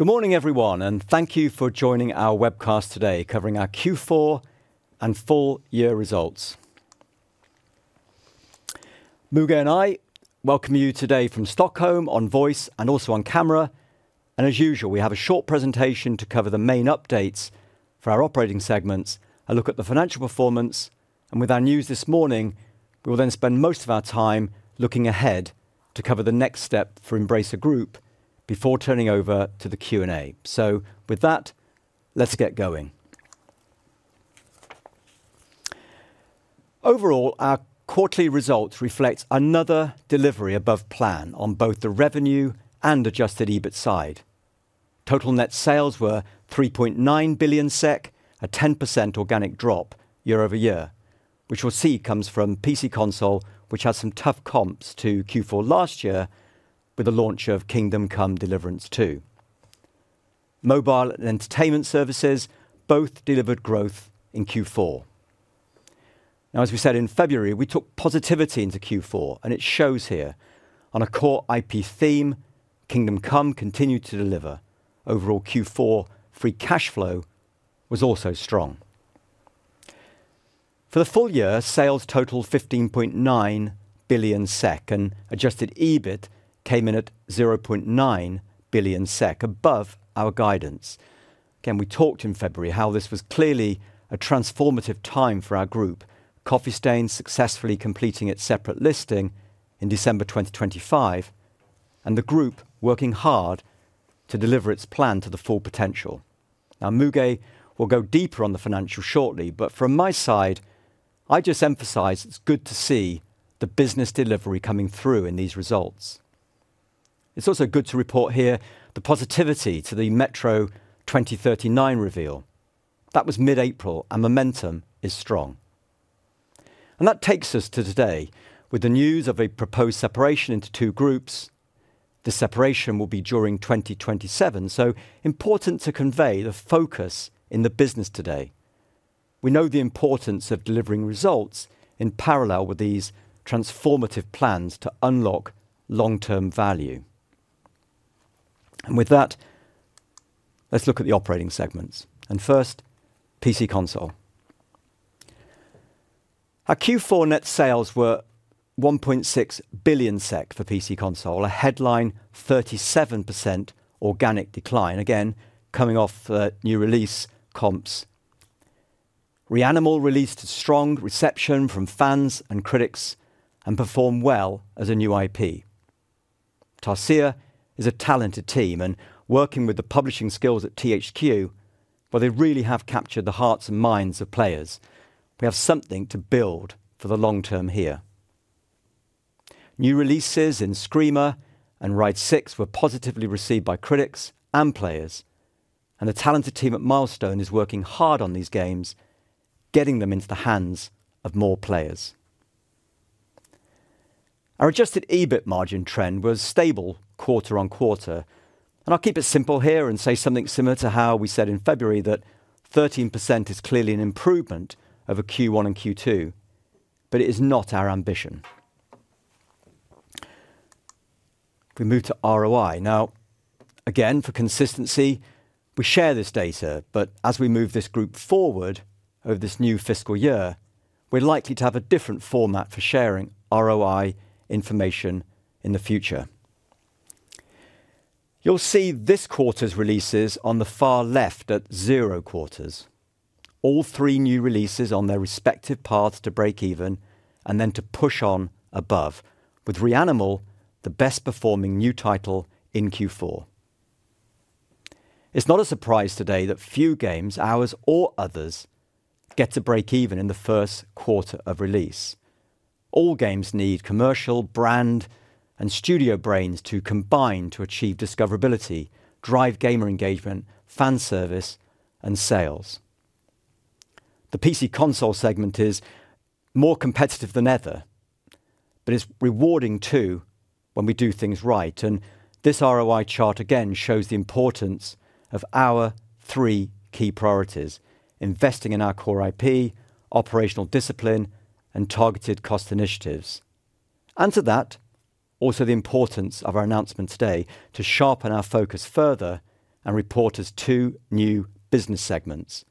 Good morning, everyone, thank you for joining our webcast today covering our Q4 and full-year results. Müge and I welcome you today from Stockholm on voice and also on camera. As usual, we have a short presentation to cover the main updates for our operating segments, a look at the financial performance, with our news this morning, we will then spend most of our time looking ahead to cover the next step for Embracer Group before turning over to the Q&A. With that, let's get going. Overall, our quarterly results reflect another delivery above plan on both the revenue and Adjusted EBIT side. Total net sales were 3.9 billion SEK, a 10% organic drop year-over-year. Which we'll see comes from PC console, which has some tough comps to Q4 last year with the launch of Kingdom Come: Deliverance II. Mobile and Entertainment Services both delivered growth in Q4. As we said in February, we took positivity into Q4, and it shows here. On a core IP theme, Kingdom Come continued to deliver. Overall Q4 free cash flow was also strong. For the full-year, sales totaled 15.9 billion SEK, and Adjusted EBIT came in at 0.9 billion SEK, above our guidance. We talked in February how this was clearly a transformative time for our group, Coffee Stain successfully completing its separate listing in December 2025, and the group working hard to deliver its plan to the full potential. Müge will go deeper on the financials shortly, but from my side, I just emphasize it's good to see the business delivery coming through in these results. It's also good to report here the positivity to the Metro 2039 reveal. That was mid-April, and momentum is strong. That takes us to today, with the news of a proposed separation into two groups. The separation will be during 2027, so important to convey the focus in the business today. We know the importance of delivering results in parallel with these transformative plans to unlock long-term value. With that, let's look at the operating segments. First, PC Console. Our Q4 net sales were 1.6 billion SEK for PC Console, a headline 37% organic decline, again coming off new release comps. REANIMAL released to strong reception from fans and critics and performed well as a new IP. Tarsier is a talented team, and working with the publishing skills at THQ, well, they really have captured the hearts and minds of players. We have something to build for the long term here. New releases in Screamer and RIDE 6 were positively received by critics and players, and the talented team at Milestone is working hard on these games, getting them into the hands of more players. Our Adjusted EBIT margin trend was stable quarter-on-quarter, and I'll keep it simple here and say something similar to how we said in February that 13% is clearly an improvement over Q1 and Q2, but it is not our ambition. We move to ROI. Now, again, for consistency, we share this data, but as we move this group forward over this new fiscal year, we're likely to have a different format for sharing ROI information in the future. You'll see this quarter's releases on the far left at zero quarters, all three new releases on their respective paths to break even and then to push on above, with REANIMAL the best performing new title in Q4. It's not a surprise today that few games, ours or others, get to break even in the Q1 of release. All games need commercial, brand, and studio brains to combine to achieve discoverability, drive gamer engagement, fan service, and sales. The PC console segment is more competitive than ever, but it's rewarding too when we do things right. This ROI chart again shows the importance of our three key priorities: investing in our core IP, operational discipline, and targeted cost initiatives. To that, also the importance of our announcement today to sharpen our focus further and report as two new business segments,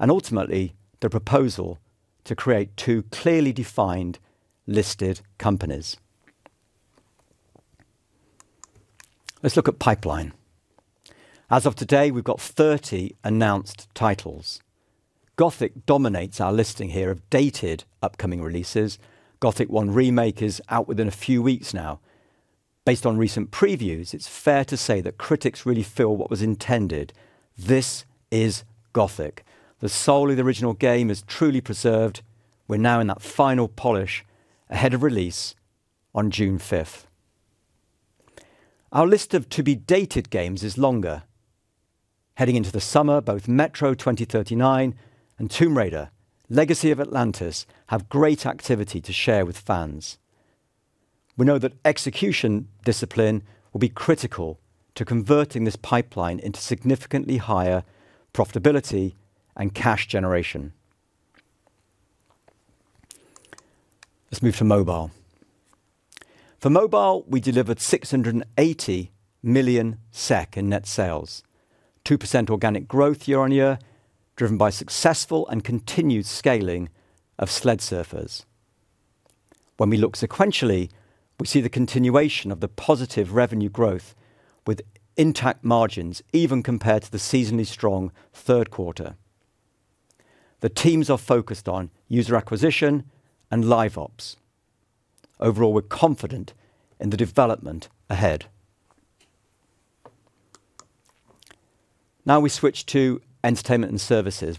and ultimately the proposal to create two clearly defined listed companies. Let's look at pipeline. As of today, we've got 30 announced titles. Gothic dominates our listing here of dated upcoming releases. Gothic 1 Remake is out within a few weeks now. Based on recent previews, it's fair to say that critics really feel what was intended. This is Gothic. The soul of the original game is truly preserved. We're now in that final polish ahead of release on June 5th. Our list of to-be-dated games is longer. Heading into the summer, both Metro 2039 and Tomb Raider: Legacy of Atlantis have great activity to share with fans. We know that execution discipline will be critical to converting this pipeline into significantly higher profitability and cash generation. Let's move to mobile. For mobile, we delivered EUR 681.6 million in net sales, 2% organic growth year-over-year, driven by successful and continued scaling of Subway Surfers. When we look sequentially, we see the continuation of the positive revenue growth with intact margins, even compared to the seasonally strong Q3. The teams are focused on user acquisition and LiveOps. Overall, we're confident in the development ahead. We switch to Entertainment and Services.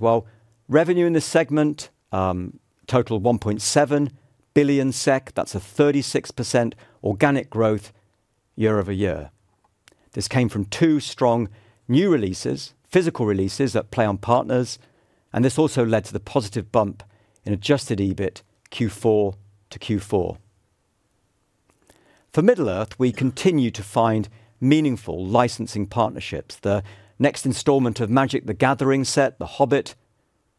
Revenue in this segment totaled 1.7 billion SEK. That's a 36% organic growth year-over-year. This came from two strong new releases, physical releases that PLAION Partners, and this also led to the positive bump in Adjusted EBIT Q4 to Q4. For Middle-earth, we continue to find meaningful licensing partnerships. The next installment of Magic: The Gathering set, The Hobbit,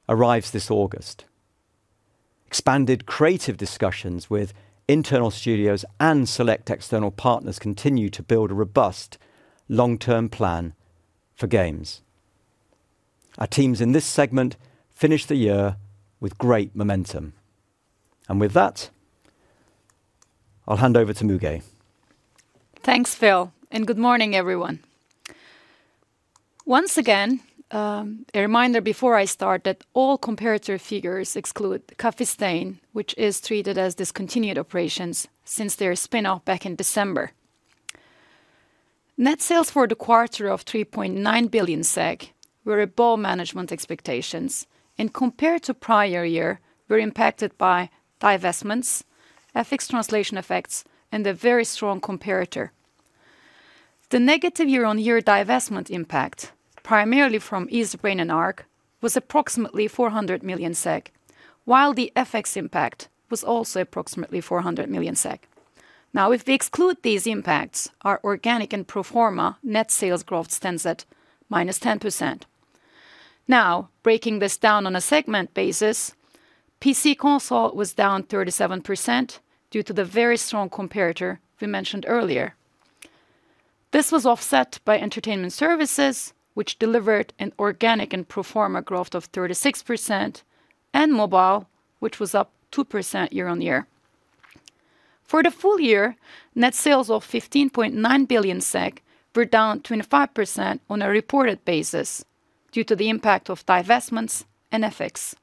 arrives this August. Expanded creative discussions with internal studios and select external partners continue to build a robust long-term plan for games. Our teams in this segment finished the year with great momentum. With that, I'll hand over to Müge. Thanks, Phil, and good morning, everyone. Once again, a reminder before I start that all comparative figures exclude Coffee Stain, which is treated as discontinued operations since their spin-off back in December. Net sales for the quarter of 3.9 billion were above management expectations and compared to prior year were impacted by divestments, FX translation effects, and a very strong comparator. The negative year-on-year divestment impact, primarily from Easybrain and Arc Games, was approximately 400 million SEK, while the FX impact, was also approximately 400 million SEK. Now, if we exclude these impacts, our organic and pro forma net sales growth stands at -10%. Now, breaking this down on a segment basis, PC console was down 37% due to the very strong comparator we mentioned earlier. This was offset by entertainment services, which delivered an organic and pro forma growth of 36%, and mobile, which was up 2% year-on-year. For the full-year, net sales of 15.9 billion SEK were down 25% on a reported basis due to the impact of divestments and FX.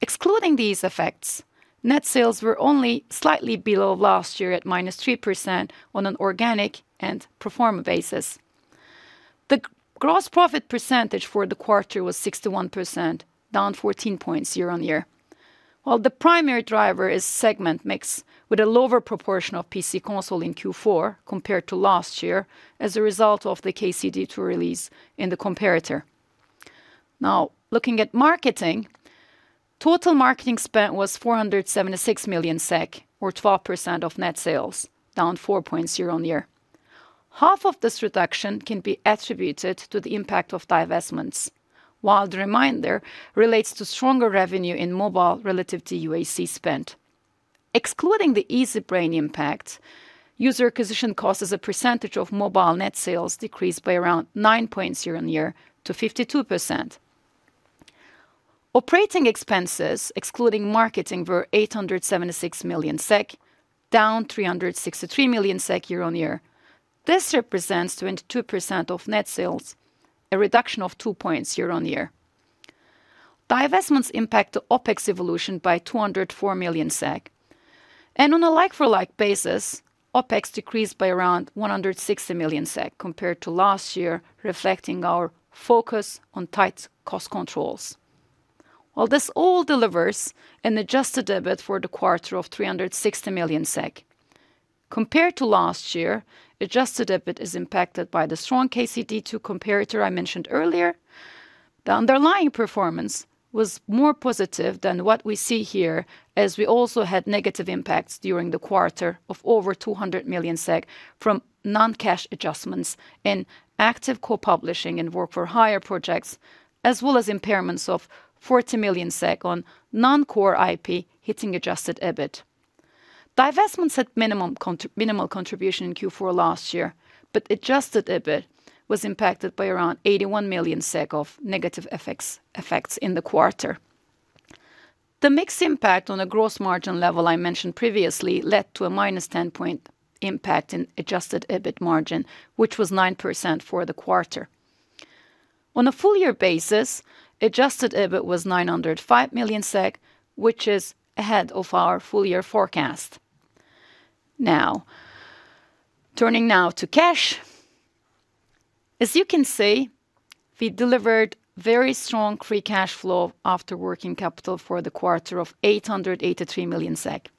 Excluding these effects, net sales were only slightly below last year at -3% on an organic and pro forma basis. Gross profit percentage for the quarter was 61%, down 14 points year-on-year. Well, the primary driver is segment mix, with a lower proportion of PC console in Q4 compared to last year as a result of the KCD 2 release in the comparator. Now, looking at marketing, total marketing spend was 476 million SEK, or 12% of net sales, down four points year-on-year. Half of this reduction can be attributed to the impact of divestments, while the remainder relates to stronger revenue in mobile relative to UAC spend. Excluding the Easybrain impact, User Acquisition Costs as a percentage of mobile net sales decreased by around nine points year-on-year to 52%. Operating expenses excluding marketing were 876 million SEK, down 363 million SEK year-on-year. This represents 22% of net sales, a reduction of two points year-on-year. Divestments impact the OpEx evolution by 204 million SEK. On a like-for-like basis, OpEx decreased by around 160 million SEK compared to last year, reflecting our focus on tight cost controls. While this all delivers an Adjusted EBIT for the quarter of 360 million SEK, compared to last year, Adjusted EBIT is impacted by the strong KCD 2 comparator I mentioned earlier. The underlying performance was more positive than what we see here, as we also had negative impacts during the quarter of over 200 million SEK from non-cash adjustments in active co-publishing and work-for-hire projects, as well as impairments of 40 million SEK on non-core IP hitting Adjusted EBIT. Divestments had minimal contribution in Q4 last year, but Adjusted EBIT was impacted by around EUR 81 million of negative FX effects in the quarter. The mixed impact on the gross margin level I mentioned previously led to a -10 point impact in Adjusted EBIT margin, which was 9% for the quarter. On a full-year basis, Adjusted EBIT was 905 million SEK, which is ahead of our full-year forecast. Now, turning now to cash. As you can see, we delivered very strong free cash flow after working capital for the quarter of 883 million SEK.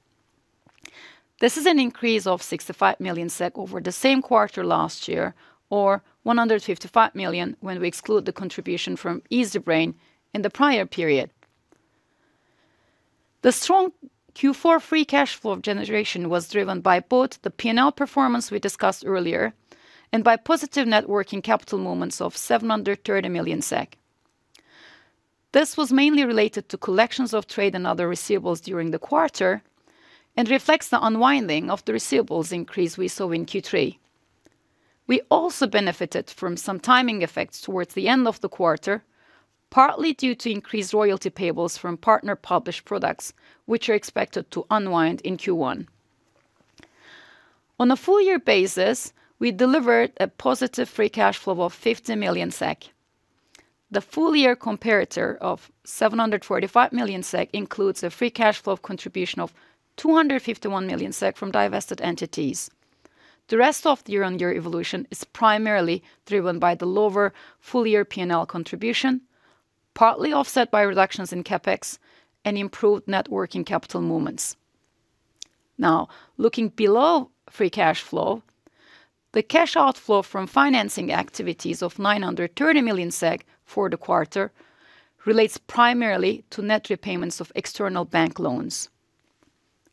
This is an increase of 65 million SEK over the same quarter last year, or 155 million when we exclude the contribution from Easybrain in the prior period. The strong Q4 free cash flow generation was driven by both the P&L performance we discussed earlier and by positive net working capital movements of 730 million SEK. This was mainly related to collections of trade and other receivables during the quarter and reflects the unwinding of the receivables increase we saw in Q3. We also benefited from some timing effects towards the end of the quarter, partly due to increased royalty payables from partner-published products, which are expected to unwind in Q1. On a full-year basis, we delivered a positive free cash flow of 50 million SEK. The full-year comparator of 745 million SEK includes a free cash flow contribution of 251 million SEK from divested entities. The rest of the year-over-year evolution is primarily driven by the lower full-year P&L contribution, partly offset by reductions in CapEx and improved net working capital movements. Looking below free cash flow, the cash outflow from financing activities of 930 million for the quarter relates primarily to net repayments of external bank loans.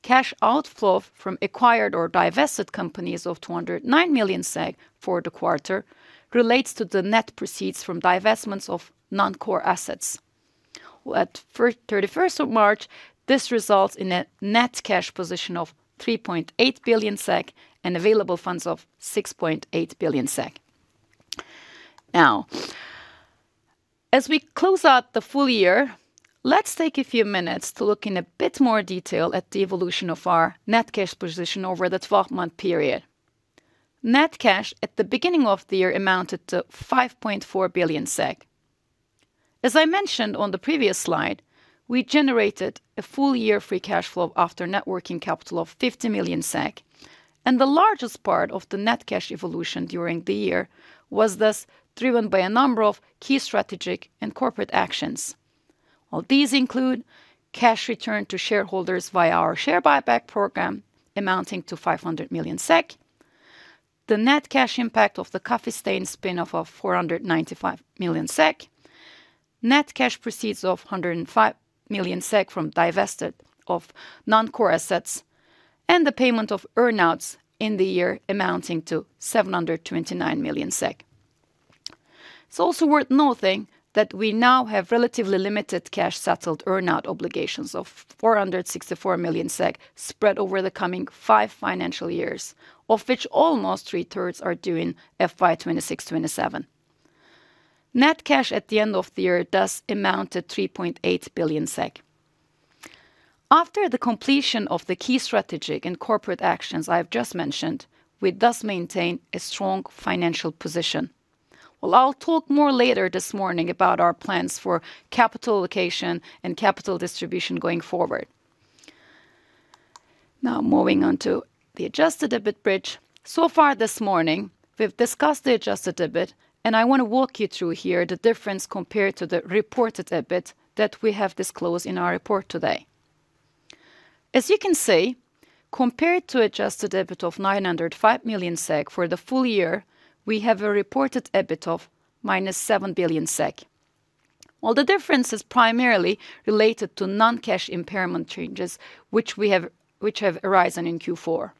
Cash outflow from acquired or divested companies of 209 million for the quarter relates to the net proceeds from divestments of non-core assets. At 31st of March, this results in a net cash position of 3.8 billion SEK and available funds of 6.8 billion SEK. As we close out the full-year, let's take a few minutes to look in a bit more detail at the evolution of our net cash position over the 12-month period. Net cash at the beginning of the year amounted to 5.4 billion SEK. As I mentioned on the previous slide, we generated a full-year free cash flow after net working capital of 50 million SEK. The largest part of the net cash evolution during the year was thus driven by a number of key strategic and corporate actions. All these include cash returned to shareholders via our share buyback program amounting to 500 million SEK, the net cash impact of the Coffee Stain spin-off of 495 million SEK, net cash proceeds of 105 million SEK from divested of non-core assets and the payment of earnouts in the year amounting to 729 million SEK. It's also worth noting that we now have relatively limited cash-settled earnout obligations of 464 million SEK spread over the coming five financial years, of which almost 2/3 are due in FY 2026-2027. Net cash at the end of the year thus amounted to 3.8 billion SEK. After the completion of the key strategic and corporate actions I've just mentioned, we thus maintain a strong financial position. Well, I'll talk more later this morning about our plans for capital allocation and capital distribution going forward. Moving on to the Adjusted EBIT bridge. So far this morning, we've discussed the Adjusted EBIT, and I want to walk you through here the difference compared to the reported EBIT that we have disclosed in our report today. As you can see, compared to Adjusted EBIT of 905 million SEK for the full-year, we have a reported EBIT of minus 7 billion SEK. The difference is primarily related to non-cash impairment changes which have arisen in Q4.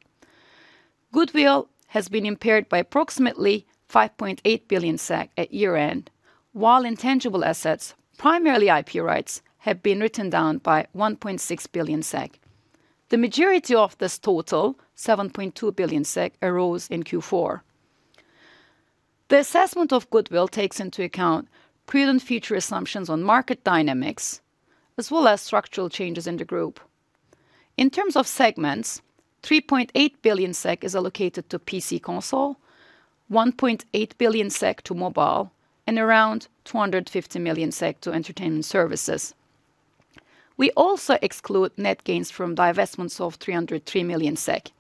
Goodwill has been impaired by approximately 5.8 billion SEK at year-end, while intangible assets, primarily IP rights, have been written down by 1.6 billion SEK. The majority of this total, 7.2 billion SEK, arose in Q4. The assessment of goodwill takes into account prudent future assumptions on market dynamics as well as structural changes in the Group. In terms of segments, 3.8 billion SEK is allocated to PC/Console, 1.8 billion SEK to mobile, and around 250 million SEK to entertainment services. We also exclude net gains from divestments of 303 million SEK.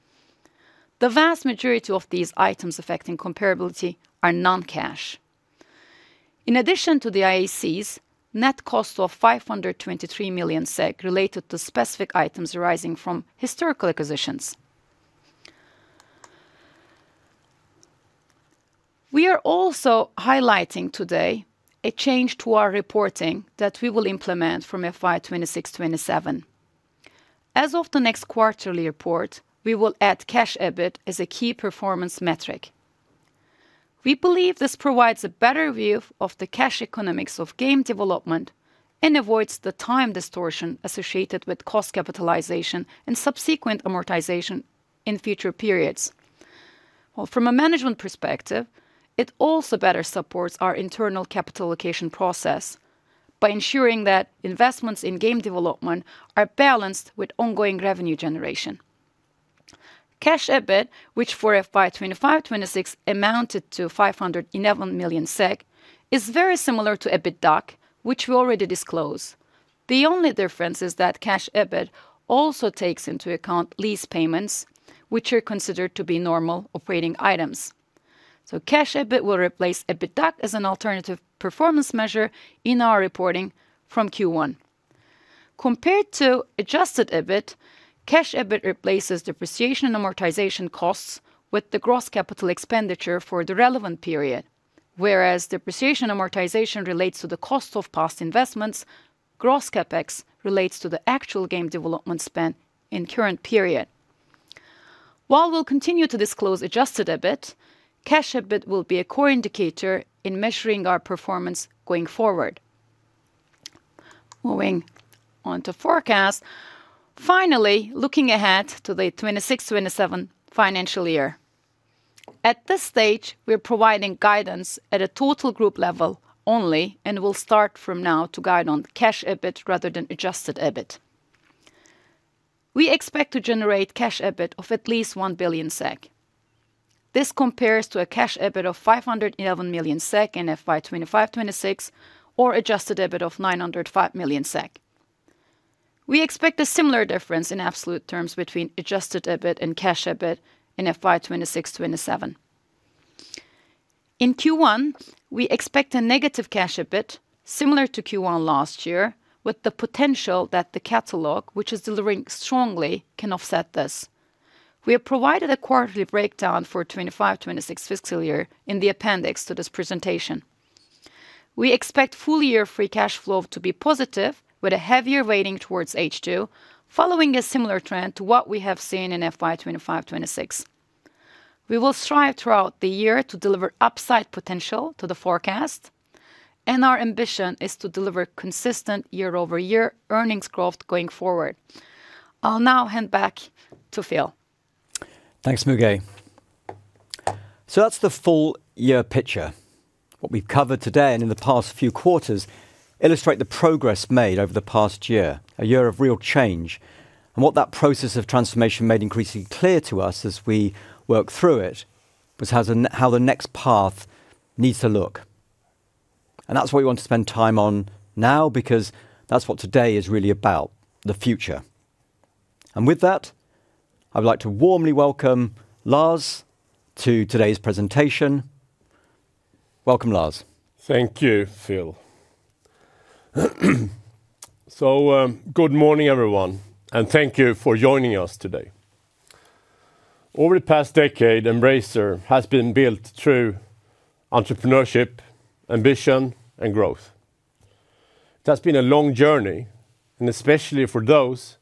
The vast majority of these items affecting comparability are non-cash. In addition to the IACs, net cost of 523 million SEK related to specific items arising from historical acquisitions. We are also highlighting today a change to our reporting that we will implement from FY 2026-2027. As of the next quarterly report, we will add cash EBIT as a key performance metric. We believe this provides a better view of the cash economics of game development and avoids the time distortion associated with cost capitalization and subsequent amortization in future periods. From a management perspective, it also better supports our internal capital allocation process by ensuring that investments in game development are balanced with ongoing revenue generation. Cash EBIT, which for FY 2025-2026 amounted to 511 million SEK, is very similar to EBITDA, which we already disclosed. The only difference is that Cash EBIT also takes into account lease payments, which are considered to be normal operating items. Cash EBIT will replace EBITDA as an alternative performance measure in our reporting from Q1. Compared to Adjusted EBIT, Cash EBIT replaces depreciation and amortization costs with the gross capital expenditure for the relevant period. Whereas depreciation and amortization relates to the cost of past investments, gross CapEx relates to the actual game development spend in current period. While we'll continue to disclose Adjusted EBIT, Cash EBIT will be a core indicator in measuring our performance going forward. Moving on to forecast. Finally, looking ahead to the 2026/2027 financial year. At this stage, we're providing guidance at a total group level only and will start from now to guide on Cash EBIT rather than Adjusted EBIT. We expect to generate Cash EBIT of at least 1 billion SEK. This compares to a Cash EBIT of 511 million SEK in FY 2025/2026, or Adjusted EBIT of 905 million SEK. We expect a similar difference in absolute terms between Adjusted EBIT and Cash EBIT in FY 2026/2027. In Q1, we expect a negative Cash EBIT, similar to Q1 last year, with the potential that the catalogue, which is delivering strongly, can offset this. We have provided a quarterly breakdown for FY 2025-2026 fiscal year in the appendix to this presentation. We expect full-year free cash flow to be positive, with a heavier weighting towards H2, following a similar trend to what we have seen in FY 2025-2026. We will strive throughout the year to deliver upside potential to the forecast. Our ambition is to deliver consistent year-over-year earnings growth going forward. I'll now hand back to Phil. Thanks, Müge. That's the full-year picture. What we've covered today and in the past few quarters illustrate the progress made over the past year, a year of real change. What that process of transformation made increasingly clear to us as we work through it was how the next path needs to look. That's what we want to spend time on now, because that's what today is really about, the future. With that, I would like to warmly welcome Lars to today's presentation. Welcome, Lars. Thank you, Phil. Good morning, everyone. Thank you for joining us today. Over the past decade, Embracer Group has been built through entrepreneurship, ambition, and growth. That's been a long journey, and especially for those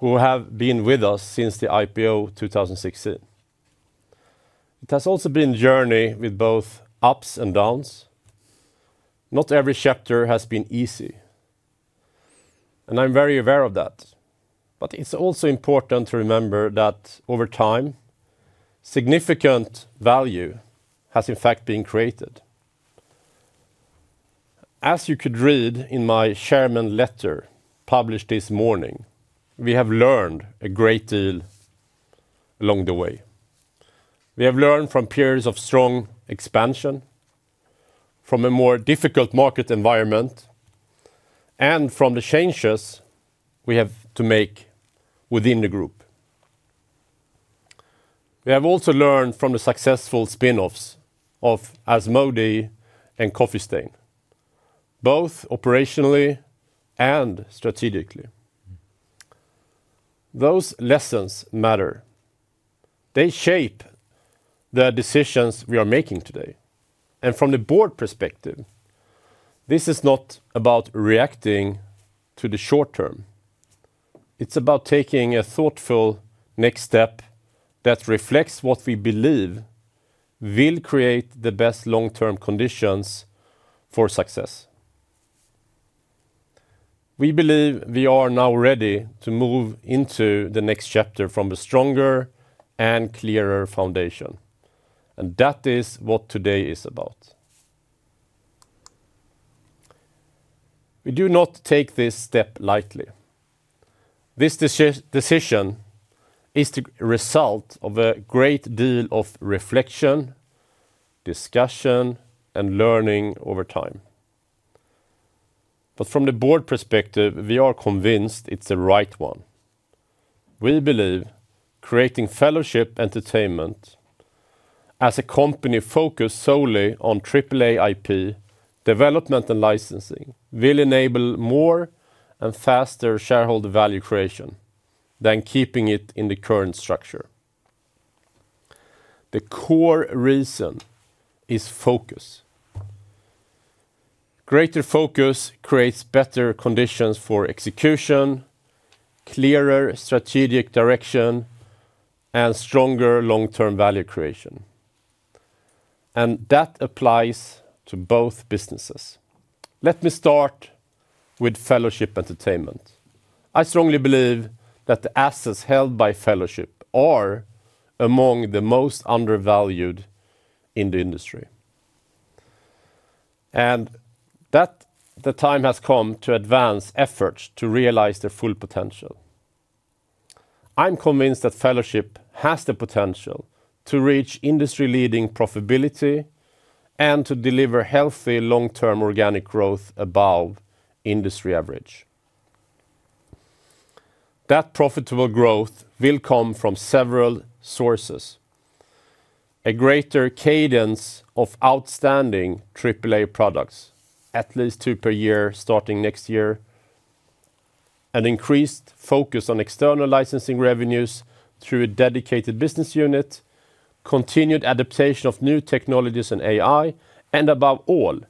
who have been with us since the IPO 2016. It has also been a journey with both ups and downs. Not every chapter has been easy, and I'm very aware of that. It's also important to remember that over time, significant value has in fact been created. As you could read in my Chairman letter published this morning, we have learned a great deal along the way. We have learned from periods of strong expansion, from a more difficult market environment, and from the changes we have to make within the Group. We have also learned from the successful spin-offs of Asmodee and Coffee Stain, both operationally and strategically. Those lessons matter. They shape the decisions we are making today. From the board perspective, this is not about reacting to the short term. It's about taking a thoughtful next step that reflects what we believe will create the best long-term conditions for success. We believe we are now ready to move into the next chapter from a stronger and clearer foundation. That is what today is about. We do not take this step lightly. This decision is the result of a great deal of reflection, discussion, and learning over time. From the board perspective, we are convinced it's the right one. We believe creating Fellowship Entertainment as a company focused solely on AAA IP development and licensing will enable more and faster shareholder value creation than keeping it in the current structure. The core reason is focus. Greater focus creates better conditions for execution, clearer strategic direction, and stronger long-term value creation. That applies to both businesses. Let me start with Fellowship Entertainment. I strongly believe that the assets held by Fellowship are among the most undervalued in the industry. That the time has come to advance efforts to realize their full potential. I'm convinced that Fellowship has the potential to reach industry-leading profitability and to deliver healthy long-term organic growth above industry average. That profitable growth will come from several sources: a greater cadence of outstanding AAA products, at least two per year starting next year, an increased focus on external licensing revenues through a dedicated business unit, continued adaptation of new technologies and AI, and above all,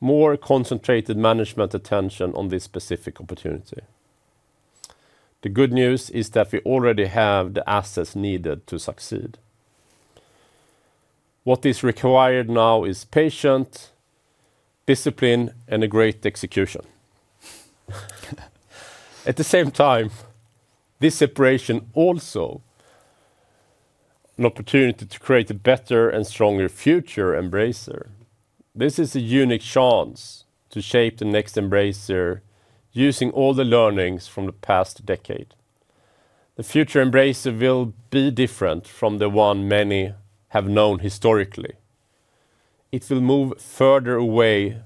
more concentrated management attention on this specific opportunity. The good news is that we already have the assets needed to succeed. What is required now is patience, discipline, and a great execution. At the same time, this separation also an opportunity to create a better and stronger future Embracer Group. This is a unique chance to shape the next Embracer Group using all the learnings from the past decade. The future Embracer Group will be different from the one many have known historically. It will move further away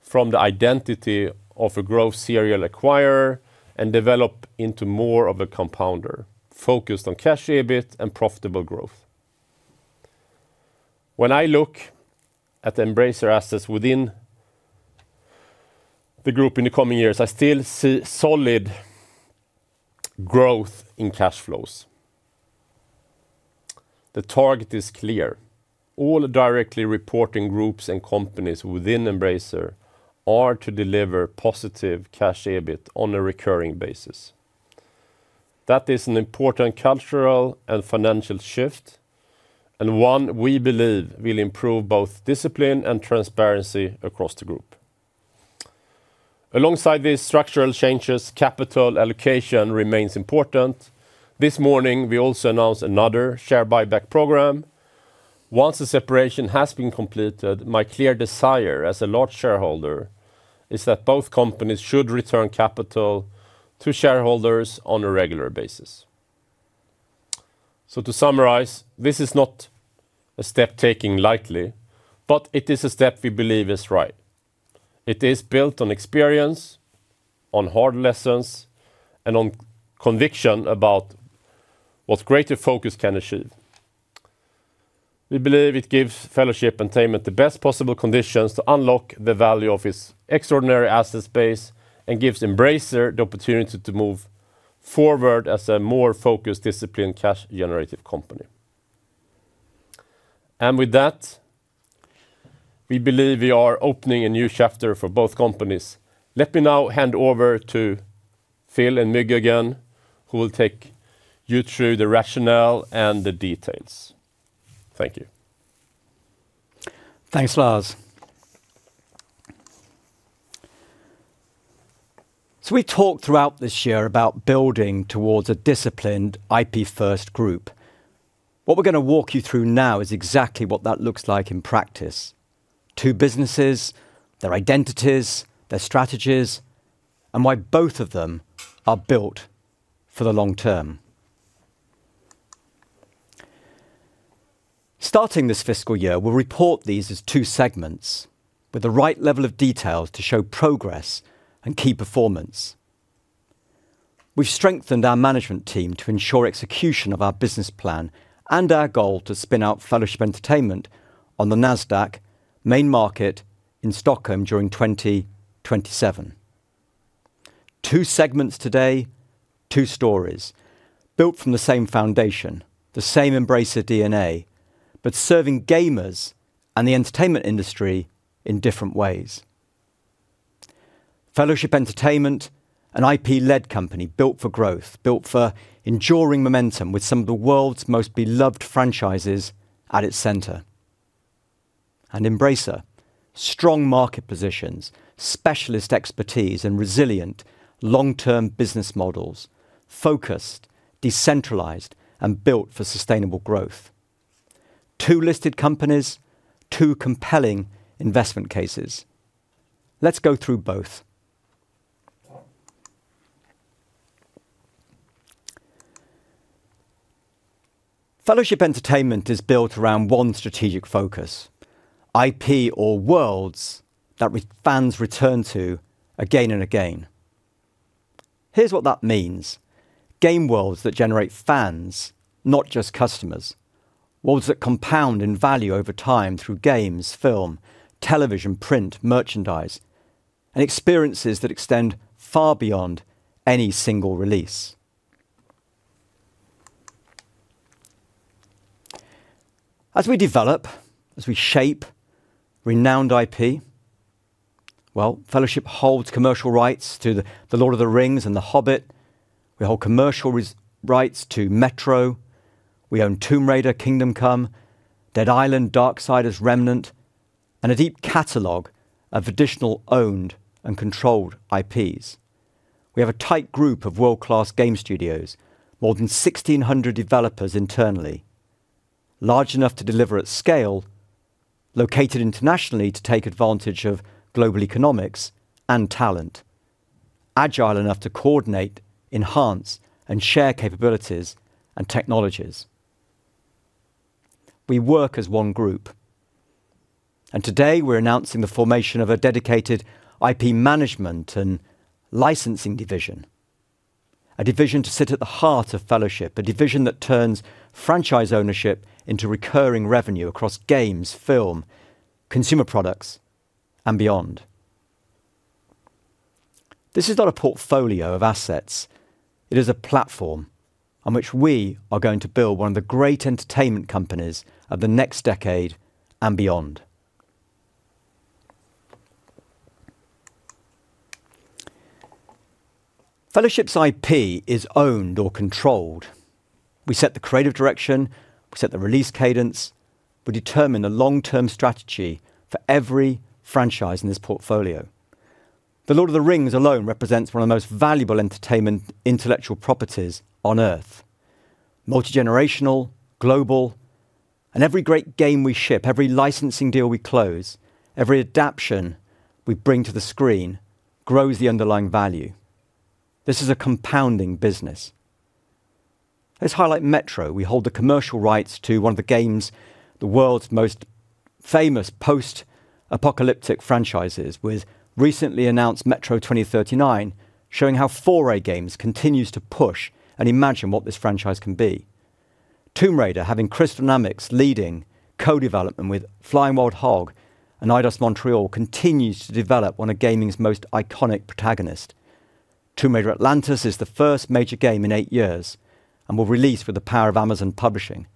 from the identity of a growth serial acquirer and develop into more of a compounder. Focused on cash EBIT and profitable growth. When I look at Embracer assets within the Group in the coming years, I still see solid growth in cash flows. The target is clear. All directly reporting groups and companies within Embracer are to deliver positive cash EBIT on a recurring basis. That is an important cultural and financial shift, and one we believe will improve both discipline and transparency across the Group. Alongside these structural changes, capital allocation remains important. This morning, we also announced another share buyback programme. Once the separation has been completed, my clear desire as a large shareholder is that both companies should return capital to shareholders on a regular basis. To summarize, this is not a step taken lightly, but it is a step we believe is right. It is built on experience, on hard lessons, and on conviction about what greater focus can achieve. We believe it gives Fellowship Entertainment the best possible conditions to unlock the value of its extraordinary asset base and gives Embracer Group the opportunity to move forward as a more focused, disciplined, cash-generative company. With that, we believe we are opening a new chapter for both companies. Let me now hand over to Phil and Müge again, who will take you through the rationale and the details. Thank you. Thanks, Lars. We talked throughout this year about building towards a disciplined IP-first group. What we're going to walk you through now is exactly what that looks like in practice. Two businesses, their identities, their strategies, and why both of them are built for the long term. Starting this fiscal year, we'll report these as two segments with the right level of details to show progress and key performance. We've strengthened our management team to ensure execution of our business plan and our goal to spin out Fellowship Entertainment on the NASDAQ main market in Stockholm during 2027. Two segments today, two stories built from the same foundation, the same Embracer DNA, but serving gamers and the entertainment industry in different ways. Fellowship Entertainment, an IP-led company built for growth, built for enduring momentum with some of the world's most beloved franchises at its center. Embracer, strong market positions, specialist expertise, and resilient long-term business models, focused, decentralized, and built for sustainable growth. Two listed companies, two compelling investment cases. Let's go through both. Fellowship Entertainment is built around one strategic focus: IP or worlds that fans return to again and again. Here's what that means. Game worlds that generate fans, not just customers. Worlds that compound in value over time through games, film, television, print, merchandise, and experiences that extend far beyond any single release. As we develop, as we shape renowned IP, well, Fellowship Entertainment holds commercial rights to The Lord of the Rings and The Hobbit. We hold commercial rights to Metro. We own Tomb Raider, Kingdom Come: Deliverance, Dead Island, Darksiders, Remnant, and a deep catalog of additional owned and controlled IPs. We have a tight group of world-class game studios, more than 1,600 developers internally, large enough to deliver at scale, located internationally to take advantage of global economics and talent, agile enough to coordinate, enhance, and share capabilities and technologies. We work as one group. Today we're announcing the formation of a dedicated IP management and licensing division. A division to sit at the heart of Fellowship, a division that turns franchise ownership into recurring revenue across games, film, consumer products, and beyond. This is not a portfolio of assets. It is a platform on which we are going to build one of the great entertainment companies of the next decade and beyond. Fellowship's IP is owned or controlled. We set the creative direction, we set the release cadence, we determine the long-term strategy for every franchise in this portfolio. The Lord of the Rings alone represents one of the most valuable entertainment intellectual properties on earth. Multigenerational, global, every great game we ship, every licensing deal we close, every adaptation we bring to the screen grows the underlying value. This is a compounding business. Let's highlight Metro. We hold the commercial rights to one of the world's most famous post-apocalyptic franchises with recently announced Metro 2039, showing how 4A Games continues to push and imagine what this franchise can be. Tomb Raider, having Crystal Dynamics leading co-development with Flying Wild Hog and Eidos-Montréal, continues to develop one of gaming's most iconic protagonists. Tomb Raider: Legacy of Atlantis is the first major game in eight years and will release with the power of Amazon Games,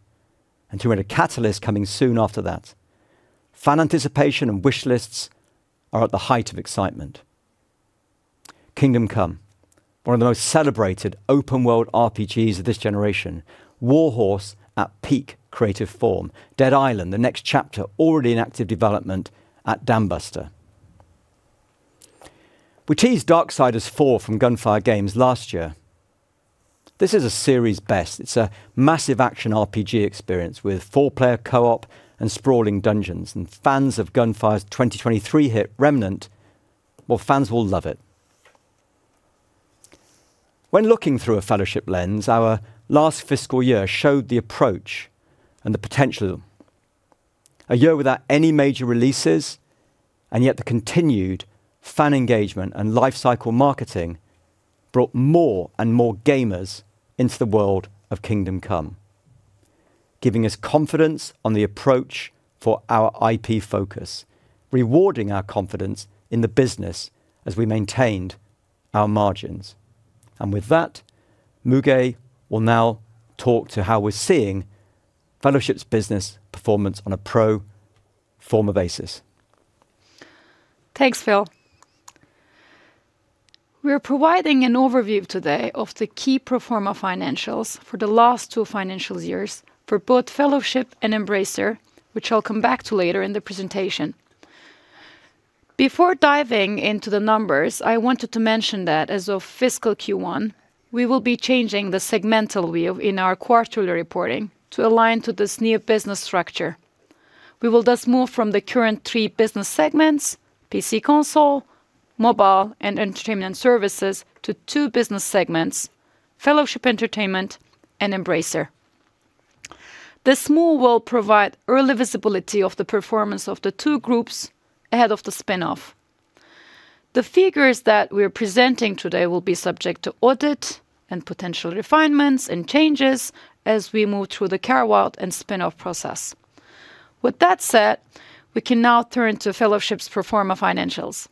and Tomb Raider: Catalyst coming soon after that. Fan anticipation and wishlists are at the height of excitement. Kingdom Come: Deliverance, one of the most celebrated open-world RPGs of this generation. Warhorse Studios at peak creative form. Dead Island: The Next Chapter already in active development at Dambuster Studios. We teased Darksiders 4 from Gunfire Games last year. This is a series best. It's a massive action RPG experience with four-player co-op and sprawling dungeons, and fans of Gunfire Games' 2023 hit Remnant, well, fans will love it. When looking through a Fellowship lens, our last fiscal year showed the approach and the potential. A year without any major releases, and yet the continued fan engagement and lifecycle marketing brought more and more gamers into the world Kingdom Come, giving us confidence on the approach for our IP focus, rewarding our confidence in the business as we maintained our margins. With that, Müge will now talk to how we're seeing Fellowship's business performance on a pro forma basis. Thanks, Phil. We are providing an overview today of the key pro forma financials for the last two financial years for both Fellowship and Embracer Group, which I'll come back to later in the presentation. Before diving into the numbers, I wanted to mention that as of fiscal Q1, we will be changing the segmental view in our quarterly reporting to align to this new business structure. We will thus move from the current three business segments PC console, mobile, and entertainment services to two business segments: Fellowship Entertainment and Embracer Group. This move will provide early visibility of the performance of the two groups ahead of the spin-off. The figures that we are presenting today will be subject to audit and potential refinements and changes as we move through the carve-out and spin-off process. With that said, we can now turn to Fellowship's pro forma financials.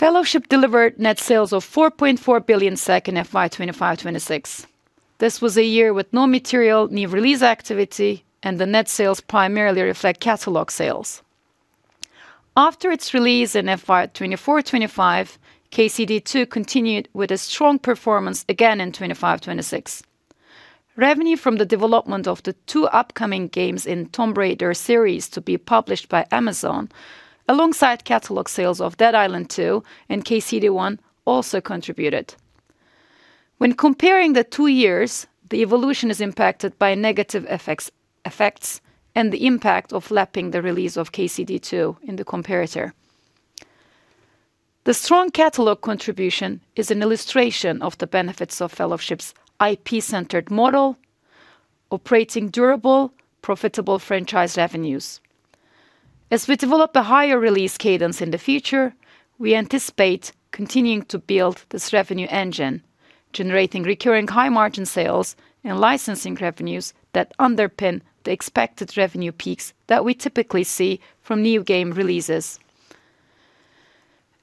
Fellowship delivered net sales of 4.4 billion SEK in FY 2025/2026. This was a year with no material new release activity, and the net sales primarily reflect catalog sales. After its release in FY 2024/2025, KCD 2 continued with a strong performance again in 2025-2026. Revenue from the development of the two upcoming games in Tomb Raider series to be published by Amazon, alongside catalog sales of Dead Island 2 and KCD 1, also contributed. When comparing the two years, the evolution is impacted by negative FX effects and the impact of lapping the release of KCD 2 in the comparator. The strong catalog contribution is an illustration of the benefits of Fellowship's IP-centered model operating durable, profitable franchise revenues. As we develop a higher release cadence in the future, we anticipate continuing to build this revenue engine, generating recurring high-margin sales and licensing revenues that underpin the expected revenue peaks that we typically see from new game releases.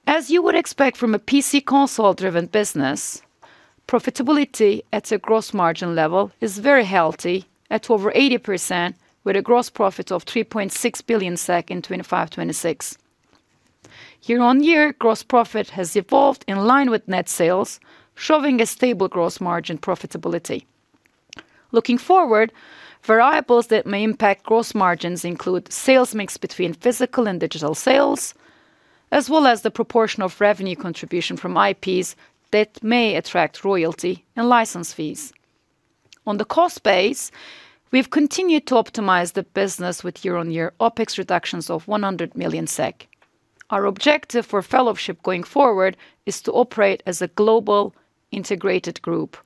As you would expect from a PC-console-driven business, profitability at a gross margin level is very healthy at over 80%, with a gross profit of 3.6 billion SEK in 2025/2026. Year-over-year, gross profit has evolved in line with net sales, showing a stable gross margin profitability. Looking forward, variables that may impact gross margins include sales mix between physical and digital sales, as well as the proportion of revenue contribution from IPs that may attract royalty and license fees. On the cost base, we've continued to optimize the business with year-over-year OpEx reductions of 100 million SEK. Our objective for Fellowship going forward is to operate as a global, Embracer Group,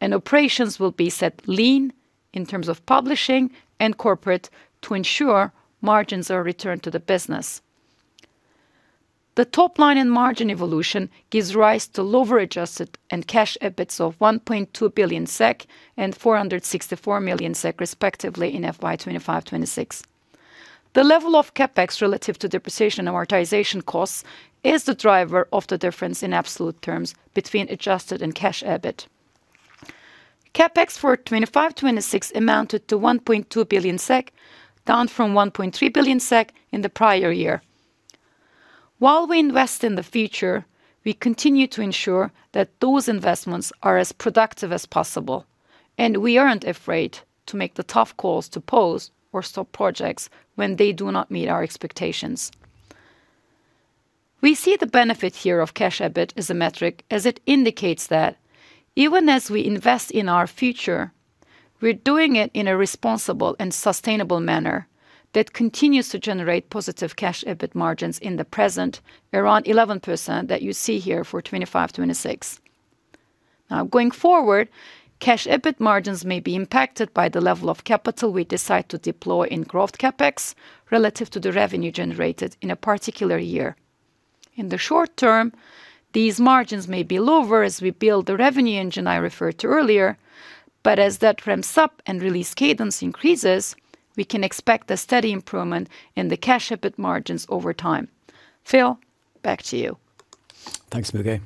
and operations will be set lean in terms of publishing and corporate to ensure margins are returned to the business. The top line and margin evolution gives rise to lower Adjusted and Cash EBITDA of 1.2 billion SEK and 464 million SEK respectively in FY 2025/2026. The level of CapEx relative to depreciation amortization costs is the driver of the difference in absolute terms between Adjusted and Cash EBIT. CapEx for 2025/2026 amounted to 1.2 billion SEK, down from 1.3 billion SEK in the prior year. While we invest in the future, we continue to ensure that those investments are as productive as possible, and we aren't afraid to make the tough calls to pause or stop projects when they do not meet our expectations. We see the benefit here of Cash EBIT as a metric, as it indicates that even as we invest in our future, we're doing it in a responsible and sustainable manner that continues to generate positive Cash EBIT margins in the present, around 11% that you see here for 2025/2026. Going forward, Cash EBIT margins may be impacted by the level of capital we decide to deploy in growth CapEx, relative to the revenue generated in a particular year. In the short term, these margins may be lower as we build the revenue engine I referred to earlier, but as that ramps up and release cadence increases, we can expect a steady improvement in the Cash EBIT margins over time. Phil, back to you. Thanks, Müge.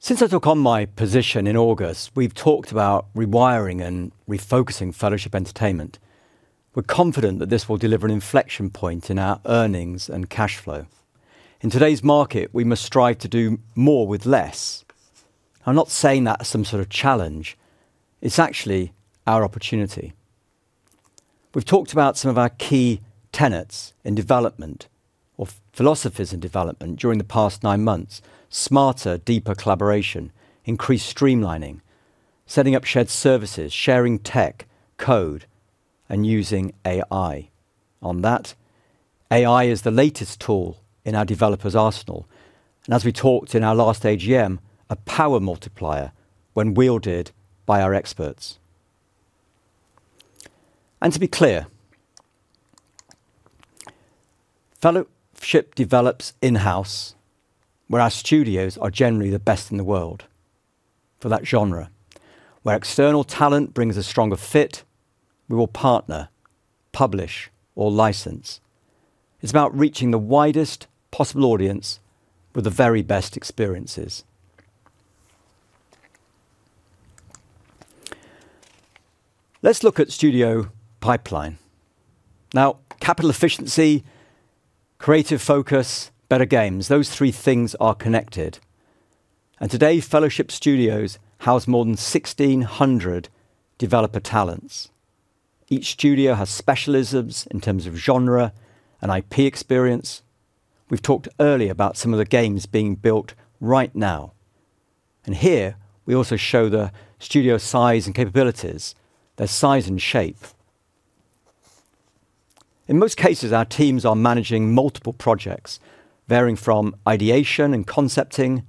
Since I took on my position in August, we've talked about rewiring and refocusing Fellowship Entertainment. We're confident that this will deliver an inflection point in our earnings and cash flow. In today's market, we must strive to do more with less. I'm not saying that as some sort of challenge. It's actually our opportunity. We've talked about some of our key tenets in development, or philosophies in development, during the past nine months. Smarter, deeper collaboration, increased streamlining, setting up shared services, sharing tech code, and using AI on that. AI is the latest tool in our developers' arsenal, and as we talked in our last AGM, a power multiplier when wielded by our experts. To be clear, Fellowship develops in-house where our studios are generally the best in the world for that genre. Where external talent brings a stronger fit, we will partner, publish, or license. It's about reaching the widest possible audience with the very best experiences. Let's look at studio pipeline. Now, capital efficiency, creative focus, better games, those three things are connected. Today, Fellowship Entertainment house more than 1,600 developer talents. Each studio has specialisms in terms of genre and IP experience. We've talked earlier about some of the games being built right now. Here we also show the studio size and capabilities, their size and shape. In most cases, our teams are managing multiple projects varying from ideation and concepting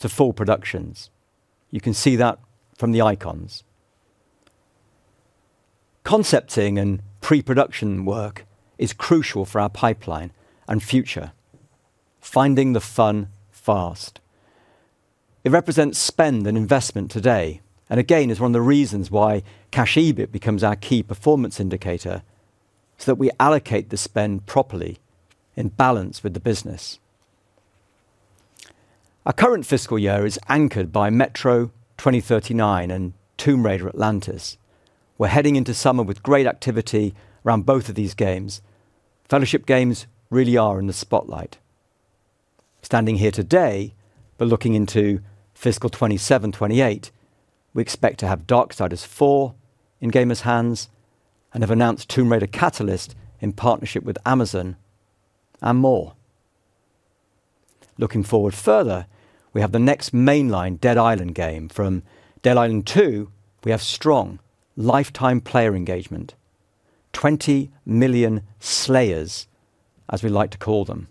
to full productions. You can see that from the icons. Concepting and pre-production work is crucial for our pipeline and future. Finding the fun fast. It represents spend and investment today. Again, it's one of the reasons why Cash EBIT becomes our key performance indicator, so that we allocate the spend properly in balance with the business. Our current fiscal year is anchored by Metro 2039 and Tomb Raider: Legacy of Atlantis. We're heading into summer with great activity around both of these games. Fellowship Entertainment really are in the spotlight. Standing here today, looking into fiscal 2027/2028, we expect to have Darksiders 4 in gamers' hands and have announced Tomb Raider: Catalyst in partnership with Amazon and more. Looking forward further, we have the next mainline Dead Island game. From Dead Island 2, we have strong lifetime player engagement, 20 million slayers as we like to call them.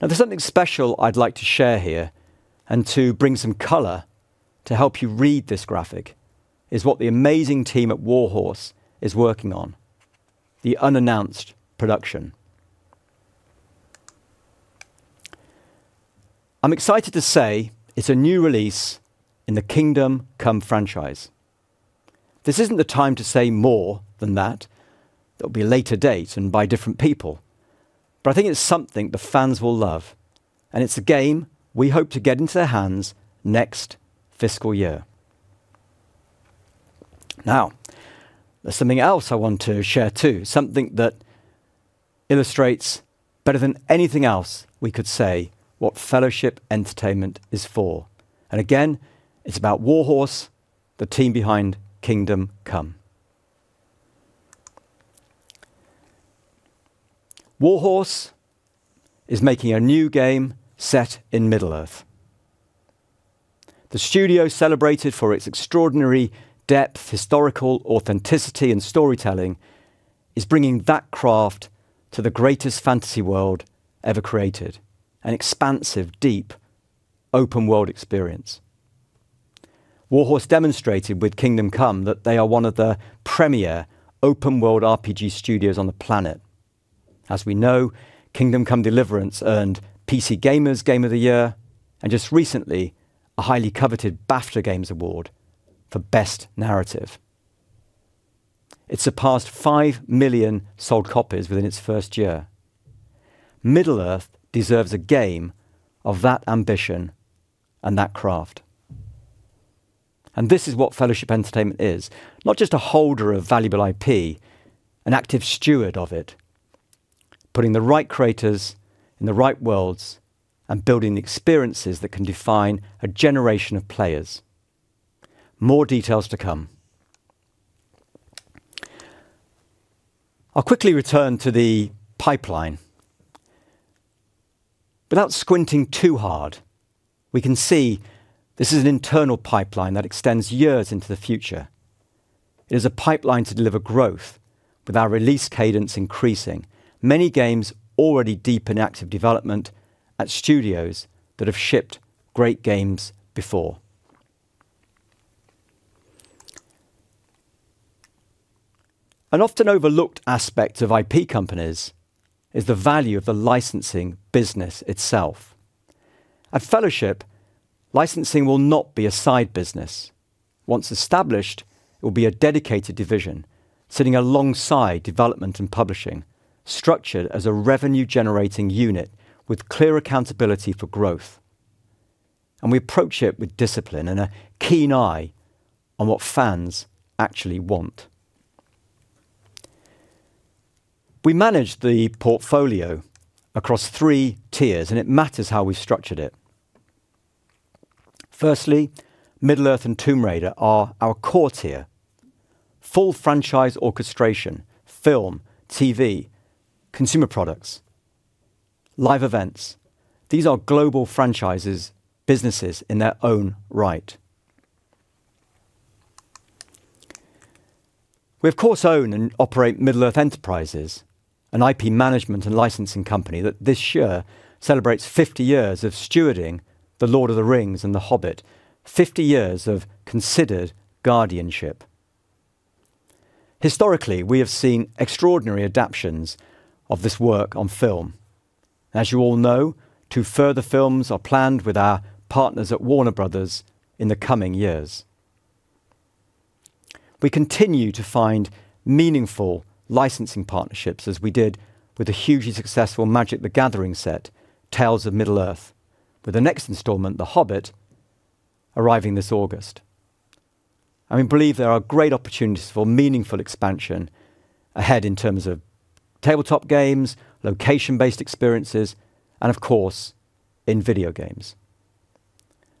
There's something special I'd like to share here and to bring some color to help you read this graphic is what the amazing team at Warhorse is working on, the unannounced production. I'm excited to say it's a new release in the Kingdom Come franchise. This isn't the time to say more than that. That will be a later date and by different people. I think it's something the fans will love, and it's a game we hope to get into their hands next fiscal year. There's something else I want to share too, something that illustrates better than anything else we could say what Fellowship Entertainment is for. Again, it's about Warhorse, the team behind Kingdom Come. Warhorse is making a new game set in Middle-earth. The studio celebrated for its extraordinary depth, historical authenticity, and storytelling is bringing that craft to the greatest fantasy world ever created, an expansive, deep, open-world experience. Warhorse Studios demonstrated with Kingdom Come: Deliverance that they are one of the premier open-world RPG studios on the planet. As we know, Kingdom Come: Deliverance earned PC Gamer's Game of the Year and just recently a highly coveted BAFTA Games Award for Best Narrative. It surpassed 5 million sold copies within its first year. Middle-earth deserves a game of that ambition and that craft. This is what Fellowship Entertainment is. Not just a holder of valuable IP, an active steward of it. Putting the right creators in the right worlds and building experiences that can define a generation of players. More details to come. I'll quickly return to the pipeline. Without squinting too hard, we can see this is an internal pipeline that extends years into the future. It is a pipeline to deliver growth with our release cadence increasing, many games already deep in active development at studios that have shipped great games before. An often overlooked aspect of IP companies is the value of the licensing business itself. At Fellowship, licensing will not be a side business. Once established, it will be a dedicated division, sitting alongside development and publishing, structured as a revenue-generating unit with clear accountability for growth, and we approach it with discipline and a keen eye on what fans actually want. We manage the portfolio across three tiers, and it matters how we've structured it. Firstly, Middle-earth and Tomb Raider are our core tier, full franchise orchestration, film, TV, consumer products, live events. These are global franchises, businesses in their own right. We, of course, own and operate Middle-earth Enterprises, an IP management and licensing company that this year celebrates 50 years of stewarding The Lord of the Rings and The Hobbit, 50 years of considered Guardianship. Historically, we have seen extraordinary adaptations of this work on film. As you all know, two further films are planned with our partners at Warner Bros. in the coming years. We continue to find meaningful licensing partnerships, as we did with the hugely successful Magic: The Gathering set The Lord of the Rings: Tales of Middle-earth, with the next installment, The Lord of the Rings: Gollum arriving this August. I mean, I believe there are great opportunities for meaningful expansion ahead in terms of tabletop games, location-based experiences, and of course, in video games.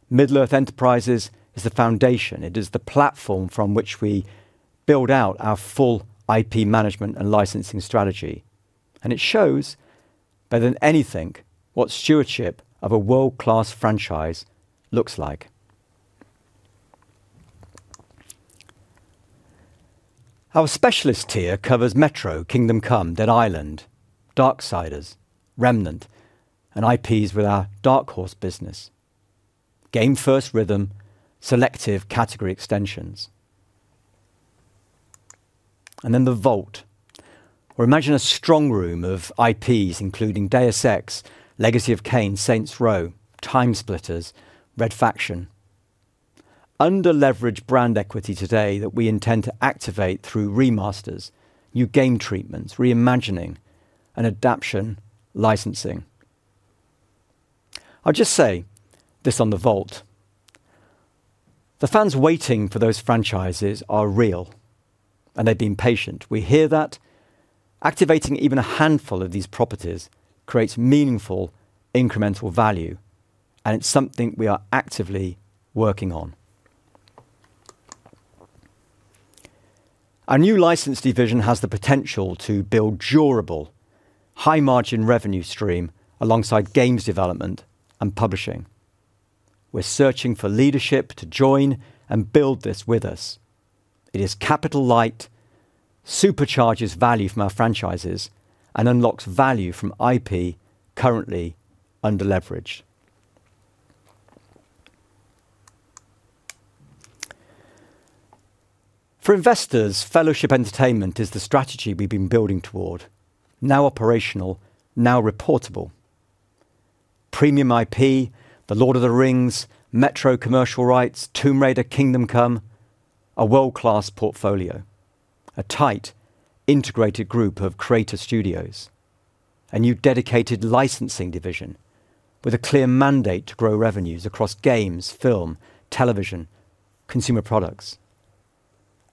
Middle-earth Enterprises is the foundation. It is the platform from which we build out our full IP management and licensing strategy. It shows better than anything what stewardship of a world-class franchise looks like. Our specialist tier covers Metro, Kingdom Come, Dead Island, Darksiders, Remnant, and IPs with our Dark Horse business. Game first rhythm, selective category extensions. The vault. Imagine a strong room of IPs including Deus Ex, Legacy of Kain, Saints Row, TimeSplitters, Red Faction. Underleveraged brand equity today that we intend to activate through remasters, new game treatments, reimagining, and adaptation licensing. I'll just say this on the vault. The fans waiting for those franchises are real. They've been patient. We hear that activating even a handful of these properties creates meaningful incremental value. It's something we are actively working on. Our new license division has the potential to build durable, high-margin revenue stream alongside games development and publishing. We're searching for leadership to join and build this with us. It is capital light, supercharges value from our franchises, and unlocks value from IP currently underleveraged. For investors, Fellowship Entertainment is the strategy we've been building toward, now operational, now reportable. Premium IP, The Lord of the Rings, Metro commercial rights, Tomb Raider: Kingdom Come, a world-class portfolio, a tight integrated group of creative studios, a new dedicated licensing division with a clear mandate to grow revenues across games, film, television, consumer products,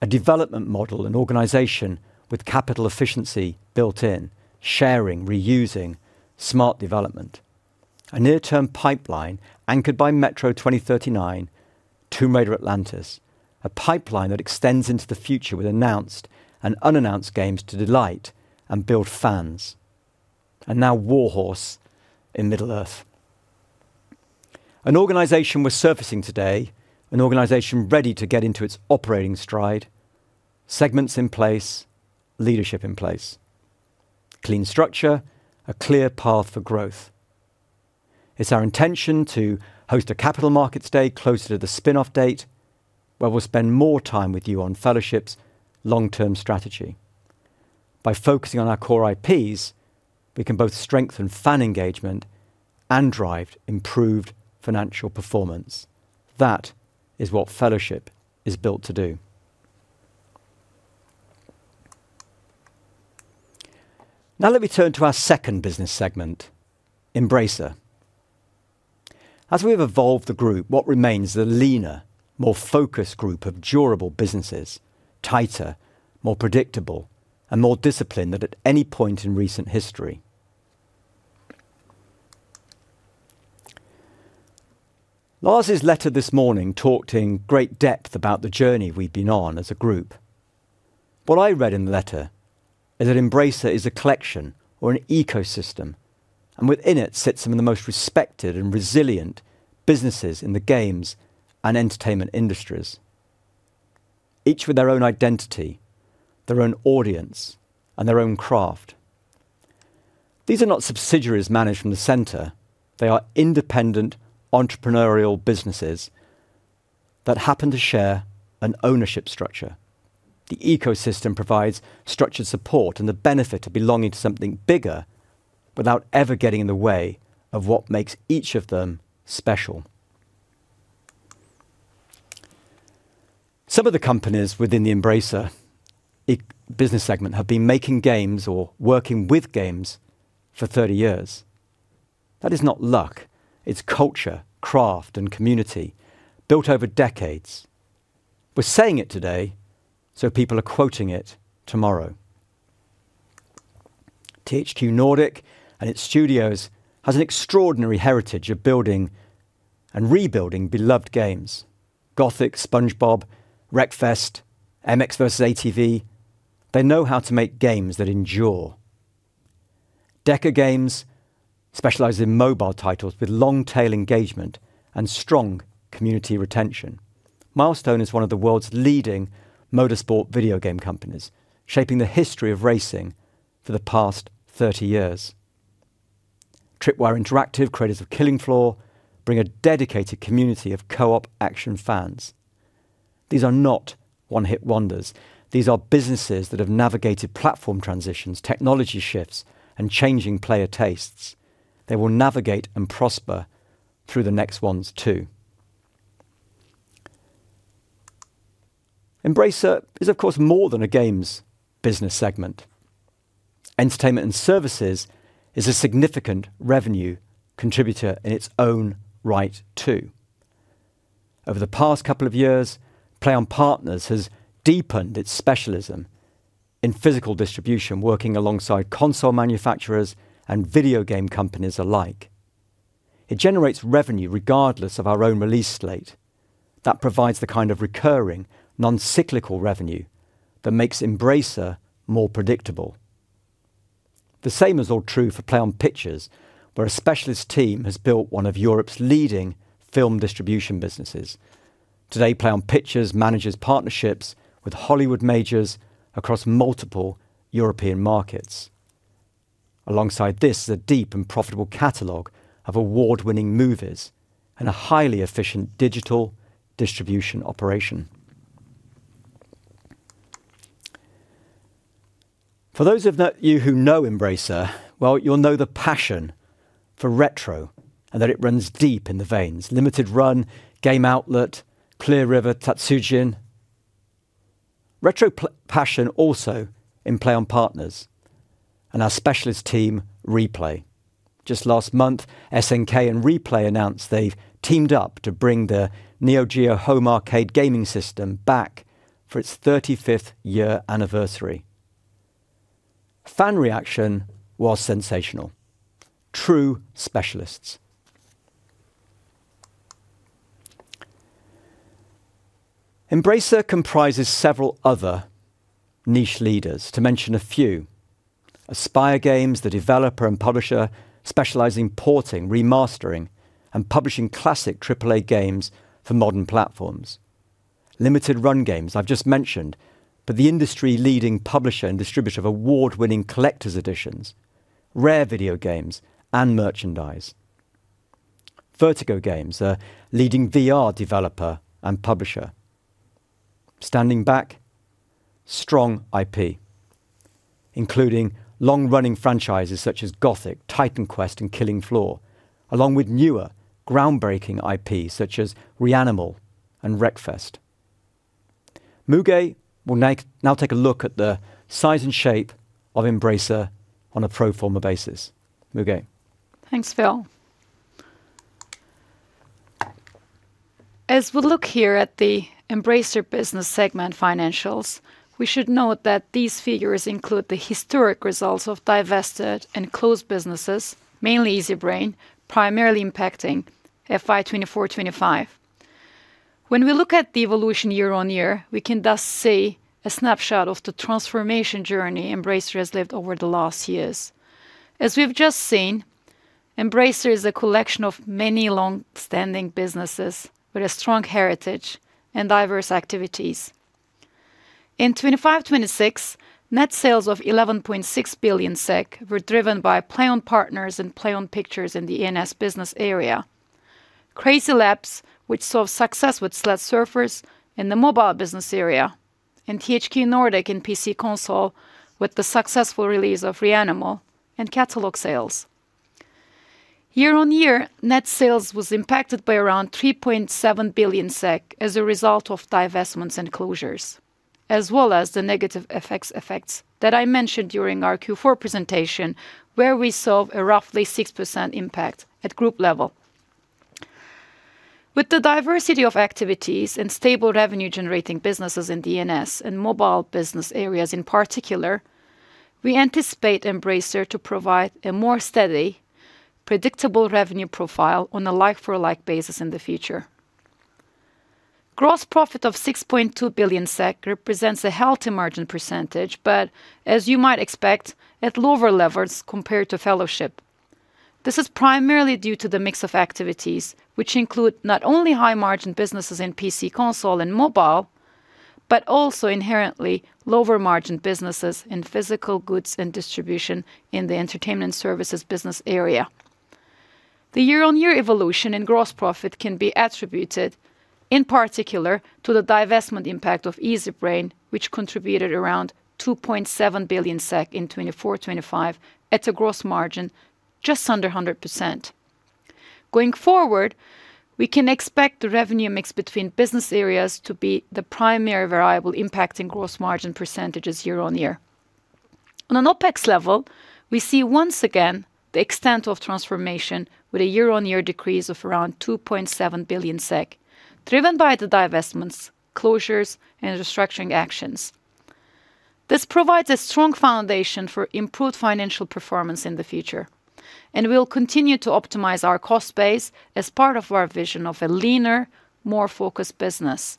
a development model and organization with capital efficiency built in, sharing, reusing, Smart development. A near-term pipeline anchored by Metro 2039, Tomb Raider: Legacy of Atlantis. A pipeline that extends into the future with announced and unannounced games to delight and build fans. Now Warhorse in Middle-earth. An organization we're surfacing today, an organization ready to get into its operating stride, segments in place, leadership in place. Clean structure, a clear path for growth. It's our intention to host a Capital Markets Day closer to the spin-off date, where we'll spend more time with you on Fellowship's long-term strategy. By focusing on our core IPs, we can both strengthen fan engagement and drive improved financial performance. That is what Fellowship is built to do. Now let me turn to our second business segment, Embracer Group. As we have evolved the Group, what remains is a leaner, more focused group of durable businesses, tighter, more predictable, and more disciplined than at any point in recent history. Lars' letter this morning talked in great depth about the journey we've been on as a group. What I read in the letter is that Embracer is a collection or an ecosystem, and within it sit some of the most respected and resilient businesses in the games and entertainment industries, each with their own identity, their own audience, and their own craft. These are not subsidiaries managed from the center. They are independent entrepreneurial businesses that happen to share an ownership structure. The ecosystem provides structured support and the benefit of belonging to something bigger without ever getting in the way of what makes each of them special. Some of the companies within the Embracer Group business segment have been making games or working with games for 30 years. That is not luck. It's culture, craft, and community built over decades. We're saying it today so people are quoting it tomorrow. THQ Nordic and its studios has an extraordinary heritage of building and rebuilding beloved games. Gothic, SpongeBob, Wreckfest, MX vs ATV. They know how to make games that endure. DECA Games specializes in mobile titles with long-tail engagement and strong community retention. Milestone is one of the world's leading motorsport video game companies, shaping the history of racing for the past 30 years. Tripwire Interactive, creators of Killing Floor, bring a dedicated community of co-op action fans. These are not one-hit wonders. These are businesses that have navigated platform transitions, technology shifts, and changing player tastes. They will navigate and prosper through the next ones too. Embracer Group is, of course, more than a games business segment. Entertainment and services is a significant revenue contributor in its own right too. Over the past couple of years, PLAION Partners has deepened its specialism in physical distribution, working alongside console manufacturers and video game companies alike. It generates revenue regardless of our own release slate. That provides the kind of recurring, non-cyclical revenue that makes Embracer more predictable. The same is all true for PLAION PICTURES, where a specialist team has built one of Europe's leading film distribution businesses. Today, PLAION PICTURES manages partnerships with Hollywood majors across multiple European markets. Alongside this is a deep and profitable catalog of award-winning movies and a highly efficient digital distribution operation. For those of you who know Embracer Group, well, you'll know the passion for retro and that it runs deep in the veins. Limited Run, Game Outlet, Clear River, Tatsujin. Retro passion also in PLAION Partners and our specialist team Replay. Just last month, SNK and Replay announced they've teamed up to bring the Neo Geo home arcade gaming system back for its 35th year anniversary. Fan reaction was sensational. True specialists. Embracer Group comprises several other niche leaders. To mention a few: Aspyr Games, the developer and publisher specializing in porting, remastering, and publishing classic AAA games for modern platforms. Limited Run Games, I've just mentioned, but the industry-leading publisher and distributor of award-winning collector's editions, rare video games, and merchandise. Vertigo Games, a leading VR developer and publisher. Standing back, strong IP. Including long-running franchises such as Gothic, Titan Quest, and Killing Floor, along with newer groundbreaking IP such as REANIMAL and Wreckfest. Müge will now take a look at the size and shape of Embracer on a pro forma basis. Müge. Thanks, Phil. As we look here at the Embracer Business Segment financials, we should note that these figures include the historic results of divested and closed businesses, mainly Easybrain, primarily impacting FY 2024/2025. When we look at the evolution year-on-year, we can thus see a snapshot of the transformation journey Embracer has lived over the last years. As we've just seen, Embracer Group is a collection of many long-standing businesses with a strong heritage and diverse activities. In 2025-2026, net sales of 11.6 billion SEK were driven by PLAION Partners and PLAION PICTURES in the E&S business area, Embracer Group's CrazyLabs, which saw success with Subway Surfers in the mobile business area, and THQ Nordic in PC/console with the successful release of REANIMAL and catalog sales. Year-on-year, net sales was impacted by around 3.7 billion SEK as a result of divestments and closures. As well as the negative FX effects that I mentioned during our Q4 presentation, where we saw a roughly 6% impact at Group level. With the diversity of activities and stable revenue-generating businesses in DNS and mobile business areas in particular, we anticipate Embracer Group to provide a more steady, predictable revenue profile on a like-for-like basis in the future. Gross profit of 6.2 billion SEK represents a healthy margin percentage, but as you might expect, at lower levels compared to Fellowship. This is primarily due to the mix of activities, which include not only high-margin businesses in PC, console, and mobile, but also inherently lower-margin businesses in physical goods and distribution in the entertainment services business area. The year-on-year evolution in gross profit can be attributed in particular to the divestment impact of Easybrain, which contributed around 2.7 billion SEK in 2024/2025 at a gross margin just under 100%. Going forward, we can expect the revenue mix between business areas to be the primary variable impacting gross margin percentages year-on-year. On an OpEx level, we see once again the extent of transformation with a year-on-year decrease of around 2.7 billion SEK, driven by the divestments, closures, and restructuring actions. This provides a strong foundation for improved financial performance in the future, and we'll continue to optimize our cost base as part of our vision of a leaner, more focused business.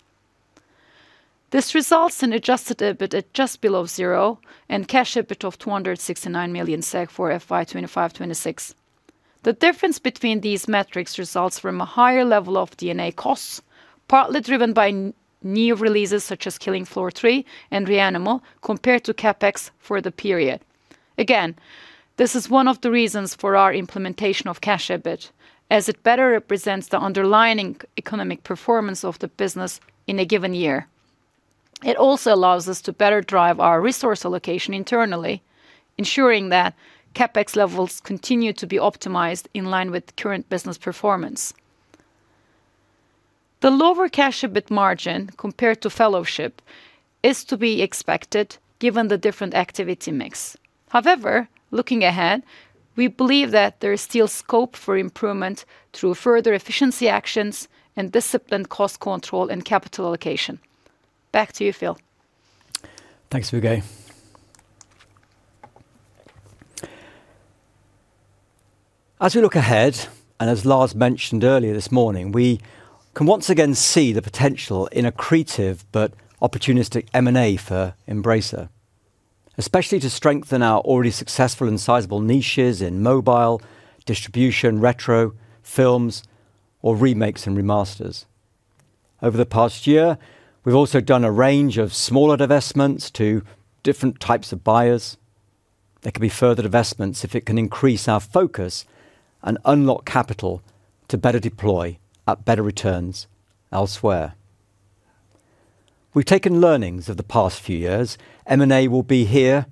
This results in Adjusted EBIT at just below zero and Cash EBIT of 269 million SEK for FY 2025/2026. The difference between these metrics results from a higher level of D&A costs, partly driven by new releases such as Killing Floor 3 and REANIMAL, compared to CapEx for the period. Again, this is one of the reasons for our implementation of Cash EBIT, as it better represents the underlying economic performance of the business in a given year. It also allows us to better drive our resource allocation internally, ensuring that CapEx levels continue to be optimized in line with current business performance. The lower Cash EBIT margin compared to Fellowship is to be expected given the different activity mix. However, looking ahead, we believe that there is still scope for improvement through further efficiency actions and disciplined cost control and capital allocation. Back to you, Phil. Thanks, Müge. As we look ahead, and as Lars mentioned earlier this morning, we can once again see the potential in accretive but opportunistic M&A for Embracer Group, especially to strengthen our already successful and sizable niches in mobile, distribution, retro, films, or remakes and remasters. Over the past year, we've also done a range of smaller divestments to different types of buyers. There could be further divestments if it can increase our focus and unlock capital to better deploy at better returns elsewhere. We've taken learnings of the past few years. M&A will be here.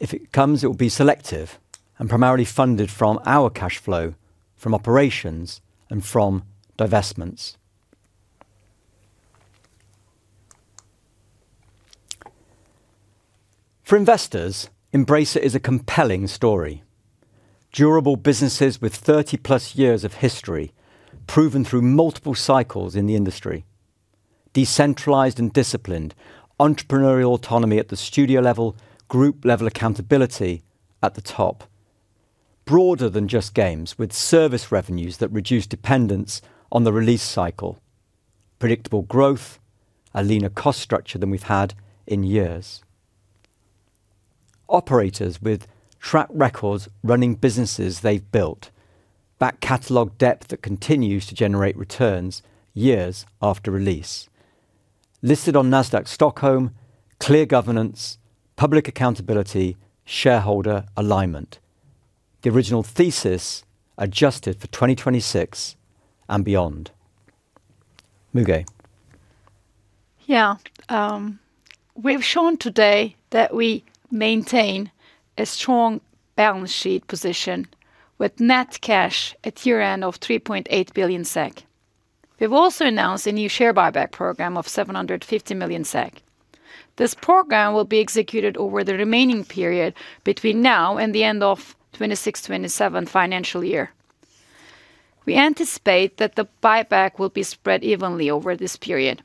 If it comes, it will be selective and primarily funded from our cash flow, from operations and from divestments. For investors, Embracer Group is a compelling story. Durable businesses with 30+ years of history, proven through multiple cycles in the industry. Decentralized and disciplined, Entrepreneurial autonomy at the studio level, group-level accountability at the top. Broader than just games, with service revenues that reduce dependence on the release cycle. Predictable growth, a leaner cost structure than we've had in years. Operators with track records running businesses they've built, back catalog depth that continues to generate returns, years after release. Listed on Nasdaq Stockholm, clear governance, public accountability, shareholder alignment. The original thesis adjusted for 2026 and beyond. Müge. Yeah, we've shown today that we maintain a strong balance sheet position. With net cash at year-end of 3.8 billion SEK. We've also announced a new share buyback program of 750 million SEK. This program will be executed over the remaining period between now and the end of 2026/2027 financial year. We anticipate that the buyback will be spread evenly over this period.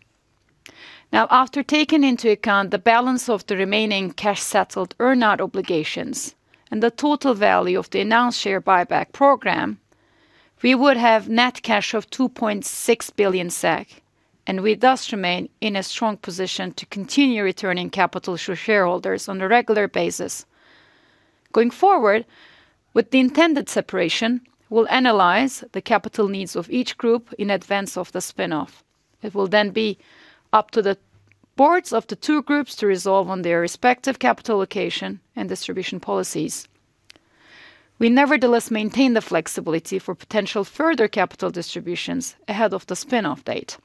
Now, after taking into account the balance of the remaining cash-settled earn-out obligations, and the total value of the announced share buyback program, we would have net cash of 2.6 billion SEK, and we thus remain in a strong position to continue returning capital to shareholders on a regular basis. Going forward, with the intended separation, we'll analyze the capital needs of each group in advance of the spin-off. It will be up to the boards of the two groups to resolve on their respective capital allocation and distribution policies. We nevertheless maintain the flexibility for potential further capital distributions ahead of the spin-off date.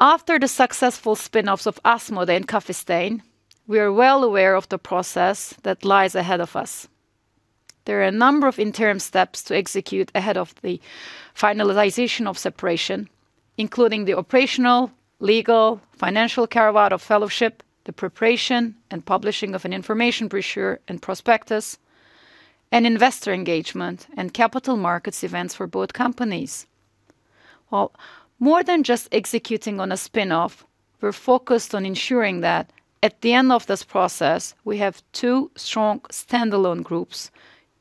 After the successful spin-offs of Asmodee and Coffee Stain, we are well aware of the process that lies ahead of us. There are a number of interim steps to execute ahead of the finalization of separation, including the operational, legal, financial carve-out of Fellowship, the preparation and publishing of an information brochure and prospectus, and investor engagement and capital markets events for both companies. Well, more than just executing on a spin-off, we're focused on ensuring that at the end of this process we have two strong standalone groups,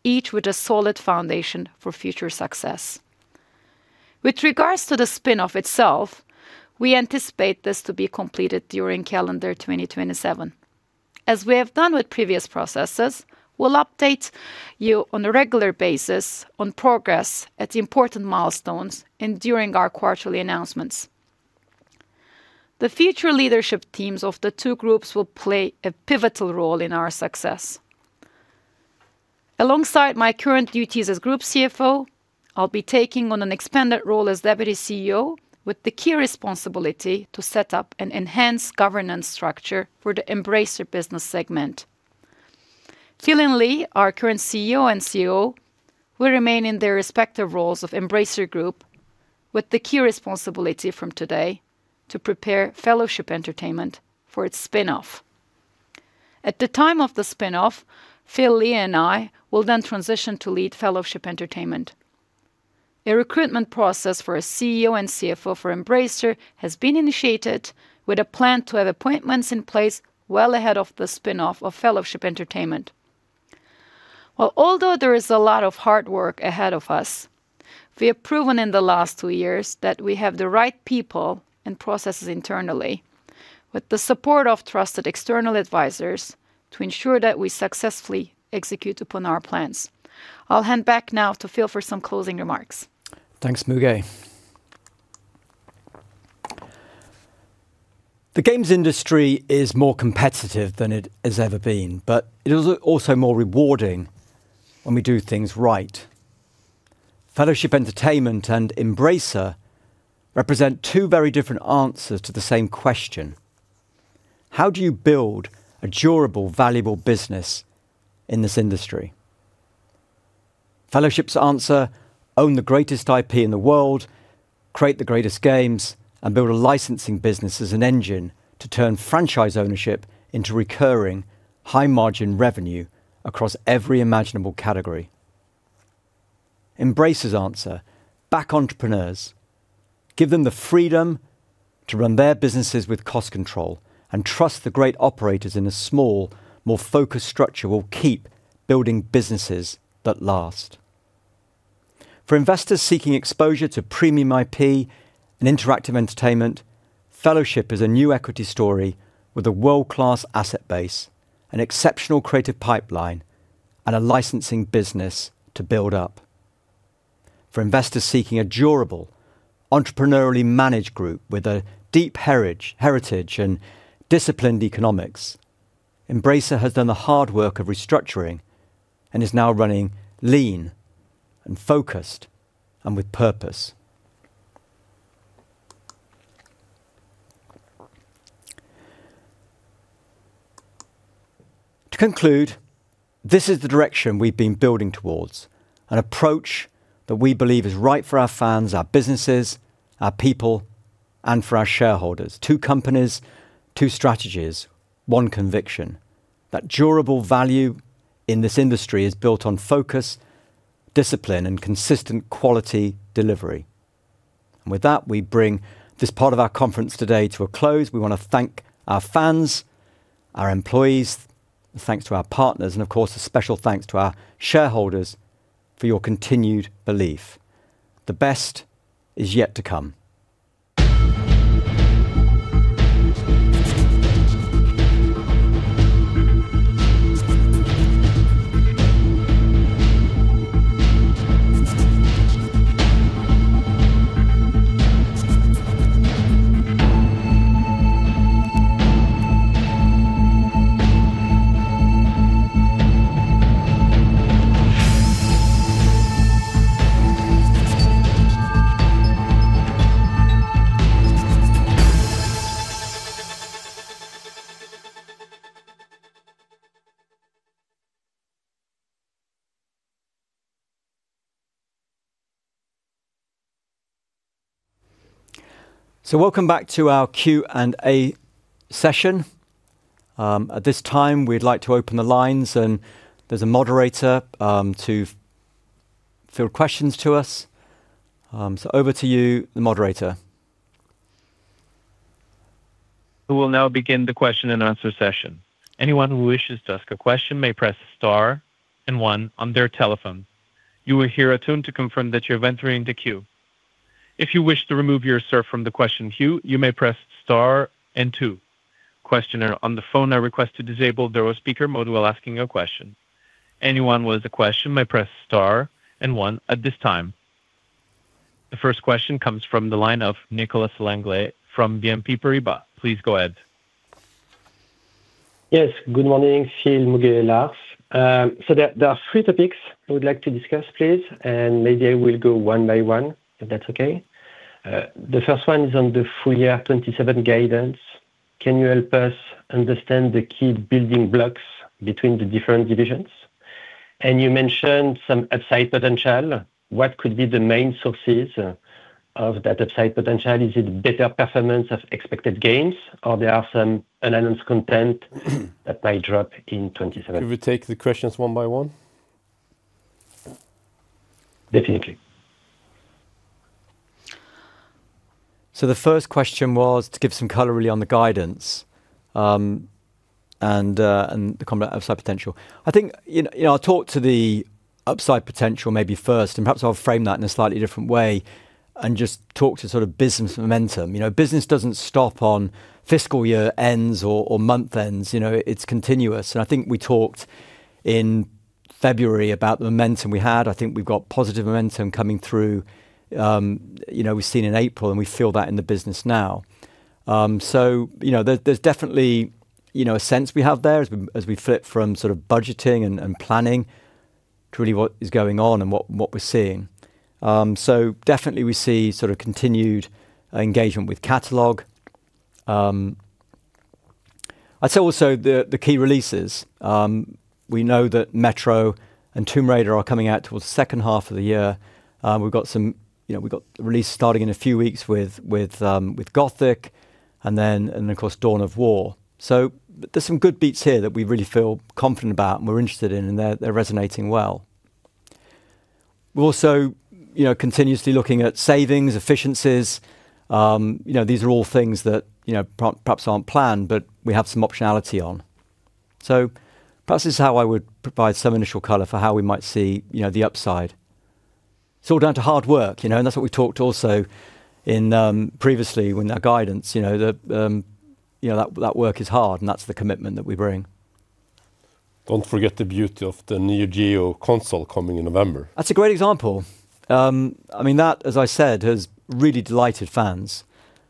each with a solid foundation for future success. With regards to the spin-off itself, we anticipate this to be completed during calendar 2027. As we have done with previous processes, we will update you on a regular basis on progress at important milestones and during our quarterly announcements. The future leadership teams of the two groups will play a pivotal role in our success. Alongside my current duties as Group CFO, I will be taking on an expanded role as Deputy CEO, with the key responsibility to set up an enhanced governance structure for the Embracer business segment. Phil and Lee, our current CEO and COO, will remain in their respective roles at Embracer Group, with the key responsibility from today to prepare Fellowship Entertainment for its spin-off. At the time of the spin-off, Phil Lee and I will then transition to lead Fellowship Entertainment. A recruitment process for a CEO and CFO for Embracer Group has been initiated with a plan to have appointments in place well ahead of the spin-off of Fellowship Entertainment. Well, although there is a lot of hard work ahead of us, we have proven in the last two years that we have the right people and processes internally, with the support of trusted external advisors to ensure that we successfully execute upon our plans. I'll hand back now to Phil for some closing remarks. Thanks, Müge. The games industry is more competitive than it has ever been, but it is also more rewarding when we do things right. Fellowship Entertainment and Embracer Group represent two very different answers to the same question: How do you build a durable, valuable business in this industry? Fellowship's answer: own the greatest IP in the world, create the greatest games, and build a licensing business as an engine to turn franchise ownership into recurring, high-margin revenue across every imaginable category. Embracer's answer: back entrepreneurs, give them the freedom to run their businesses with cost control, and trust the great operators in a small, more focused structure will keep building businesses that last. For investors seeking exposure to premium IP and interactive entertainment, Fellowship is a new equity story with a world-class asset base, an exceptional creative pipeline, and a licensing business to build up. For investors seeking a durable, entrepreneurially managed group with a deep heritage and disciplined economics, Embracer Group has done the hard work of restructuring and is now running lean and focused and with purpose. To conclude, this is the direction we've been building towards, an approach that we believe is right for our fans, our businesses, our people, and for our shareholders. Two companies, two strategies, one conviction: that durable value in this industry is built on focus, discipline and consistent quality delivery. With that, we bring this part of our conference today to a close. We want to thank our fans, our employees, thanks to our partners, and of course, a special thanks to our shareholders for your continued belief. The best is yet to come. Welcome back to our Q&A session. At this time, we'd like to open the lines, and there's a moderator to field questions to us. Over to you, the moderator. We will now begin the question-and-answer session. Anyone who wishes to ask a question may press star and one on their telephone. You will hear a tone to confirm that you're entering the queue. If you wish to remove yourself from the question queue, you may press star and two. Questioner on the phone, I request to disable their speaker mode while asking a question. Anyone with a question may press star and one at this time. The first question comes from the line of Nicolas Langlet from BNP Paribas. Please go ahead. Yes, good morning, Phil, Müge, Lars. There are three topics I would like to discuss, please, and maybe I will go one by one if that's okay. The first one is on the full-year 2027 guidance. Can you help us understand the key building blocks between the different divisions? You mentioned some upside potential. What could be the main sources of that upside potential? Is it better performance of expected gains, or there are some unannounced content that might drop in 2027? Should we take the questions one by one? Definitely. The first question was to give some color really on the guidance and the company upside potential. I think, you know, I talked to the upside potential maybe first. Perhaps I'll frame that in a slightly different way and just talk to sort of business momentum. You know, business doesn't stop on fiscal year ends or month ends. You know, it's continuous. I think we talked in February about the momentum we had. I think we've got positive momentum coming through. You know, we've seen in April and we feel that in the business now. You know, there's definitely, you know, a sense we have there as we flip from sort of budgeting and planning to really what is going on and what we're seeing. Definitely we see sort of continued engagement with catalog. I'd say also the key releases. We know that Metro and Tomb Raider are coming out towards the H2 of the year. We've got some, you know, we've got releases starting in a few weeks with Gothic and then, of course, Dawn of War. There's some good beats here that we really feel confident about and we're interested in. They're resonating well. We're also continuously looking at savings, efficiencies. These are all things that perhaps aren't planned, but we have some optionality on. Perhaps this is how I would provide some initial color for how we might see the upside. It's all down to hard work, and that's what we talked also previously in our guidance. You know, that work is hard, and that's the commitment that we bring. Don't forget the beauty of the Neo Geo console coming in November. That's a great example. I mean, that, as I said, has really delighted fans.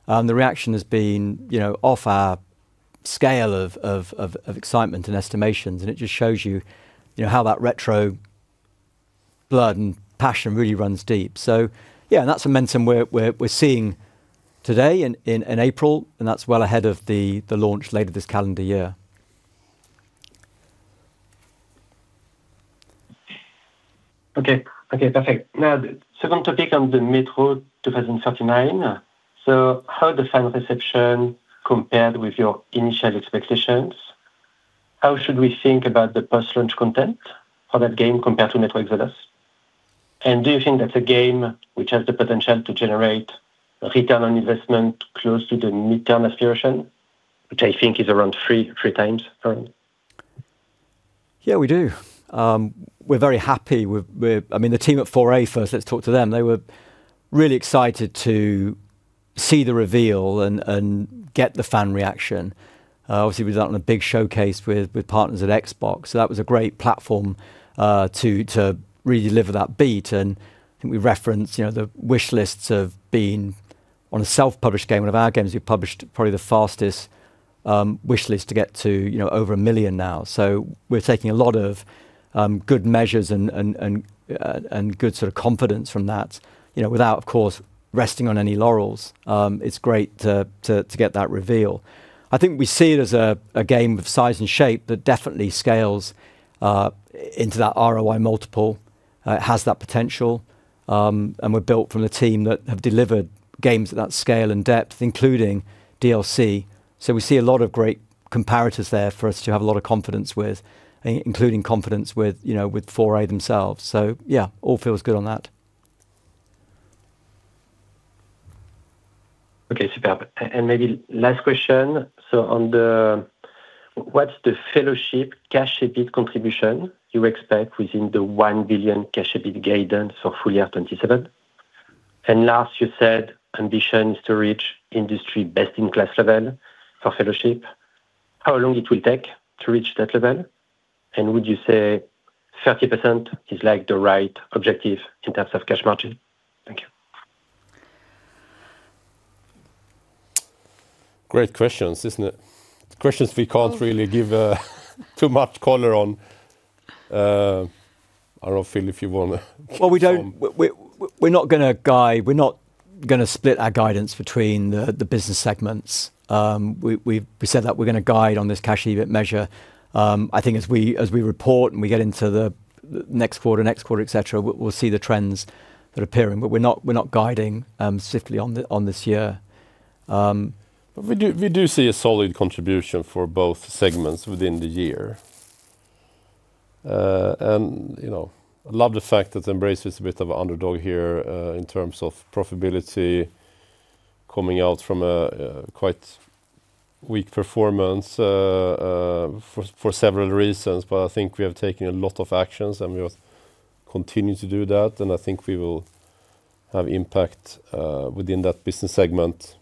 The reaction has been, you know, off our scale of excitement and estimations, and it just shows you know, how that retro blood and passion really runs deep. Yeah, that's a momentum we're seeing today in April, and that's well ahead of the launch later this calendar year. Okay, okay, perfect. Second topic on the Metro 2039. How the fan reception compared with your initial expectations? How should we think about the post-launch content for that game compared to Metro Exodus? Do you think that's a game which has the potential to generate a return on investment close to the midterm aspiration, which I think is around 3x? We do. We're very happy with, I mean, the team at 4A, first let's talk to them. They were really excited to see the reveal and get the fan reaction. We've done a big showcase with partners at Xbox. That was a great platform to really deliver that beat. We reference, you know, the wishlists have been on a self-published game, one of our games we published, probably the fastest wishlist to get to, you know, over 1 million now. We're taking a lot of good measures and good sort of confidence from that, you know, without, of course, resting on any laurels. It's great to get that reveal. I think we see it as a game of size and shape that definitely scales into that ROI multiple. It has that potential. We're built from the team that have delivered games at that scale and depth, including DLC. We see a lot of great comparators there for us to have a lot of confidence with, including confidence with, you know, with 4A themselves. Yeah, all feels good on that. Okay, superb. Maybe last question. What's the Fellowship cash EBIT contribution you expect within the 1 billion cash EBIT guidance for full-year 2027? Lars, you said ambitions to reach industry best-in-class level for Fellowship. How long it will take to reach that level? Would you say 30% is like the right objective in terms of cash margin? Thank you. Great questions, isn't it? Questions we can't really give too much color on. I don't know, Phil, if you want to. Well, we're not going to split our guidance between the business segments. We said that we're going to guide on this Cash EBIT measure. I think as we report and we get into the next quarter, next quarter, etc., we'll see the trends. They're appearing, but we're not guiding specifically on this year. We do see a solid contribution for both segments within the year. You know, I love the fact that Embracer Group is a bit of an underdog here in terms of profitability, coming out from a quite weak performance for several reasons. I think we have taken a lot of actions and we continue to do that. I think we will have impact within that business segment.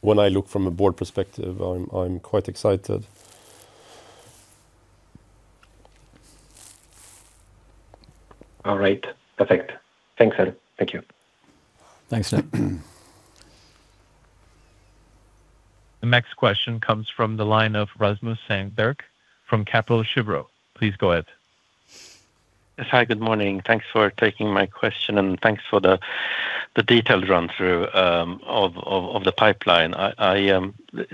When I look from a board perspective, I'm quite excited. All right. Perfect. Thanks, Lars. Thank you. Thanks. The next question comes from the line of Rasmus Engberg from Kepler Cheuvreux. Please go ahead. Yes, hi, good morning. Thanks for taking my question and thanks for the detailed run-through of the pipeline.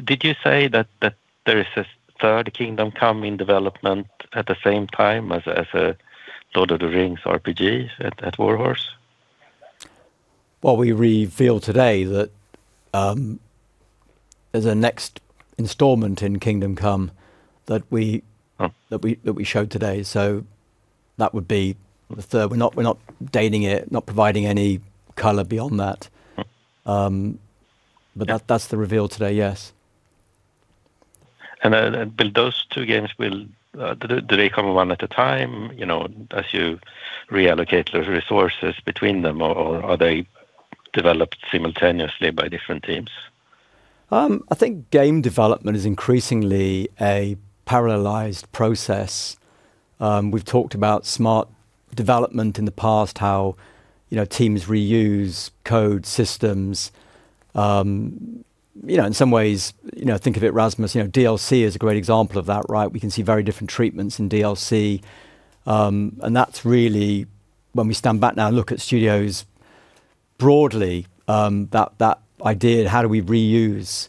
Did you say that there is a third Kingdom Come in development at the same time as a Lord of the Rings RPG at Warhorse? Well, we reveal today that as a next installment in Kingdom Come that we showed today. That would be the third. We're not dating it, not providing any color beyond that. That's the reveal today, yes. Those two games, do they come one at a time, you know, as you reallocate those resources between them, or are they developed simultaneously by different teams? I think game development is increasingly a parallelized process. We've talked about smart development in the past, how, you know, teams reuse code systems. You know, in some ways, you know, think of it, Rasmus, you know, DLC is a great example of that, right? We can see very different treatments in DLC. That's really when we stand back now, look at studios broadly, that idea, how do we reuse,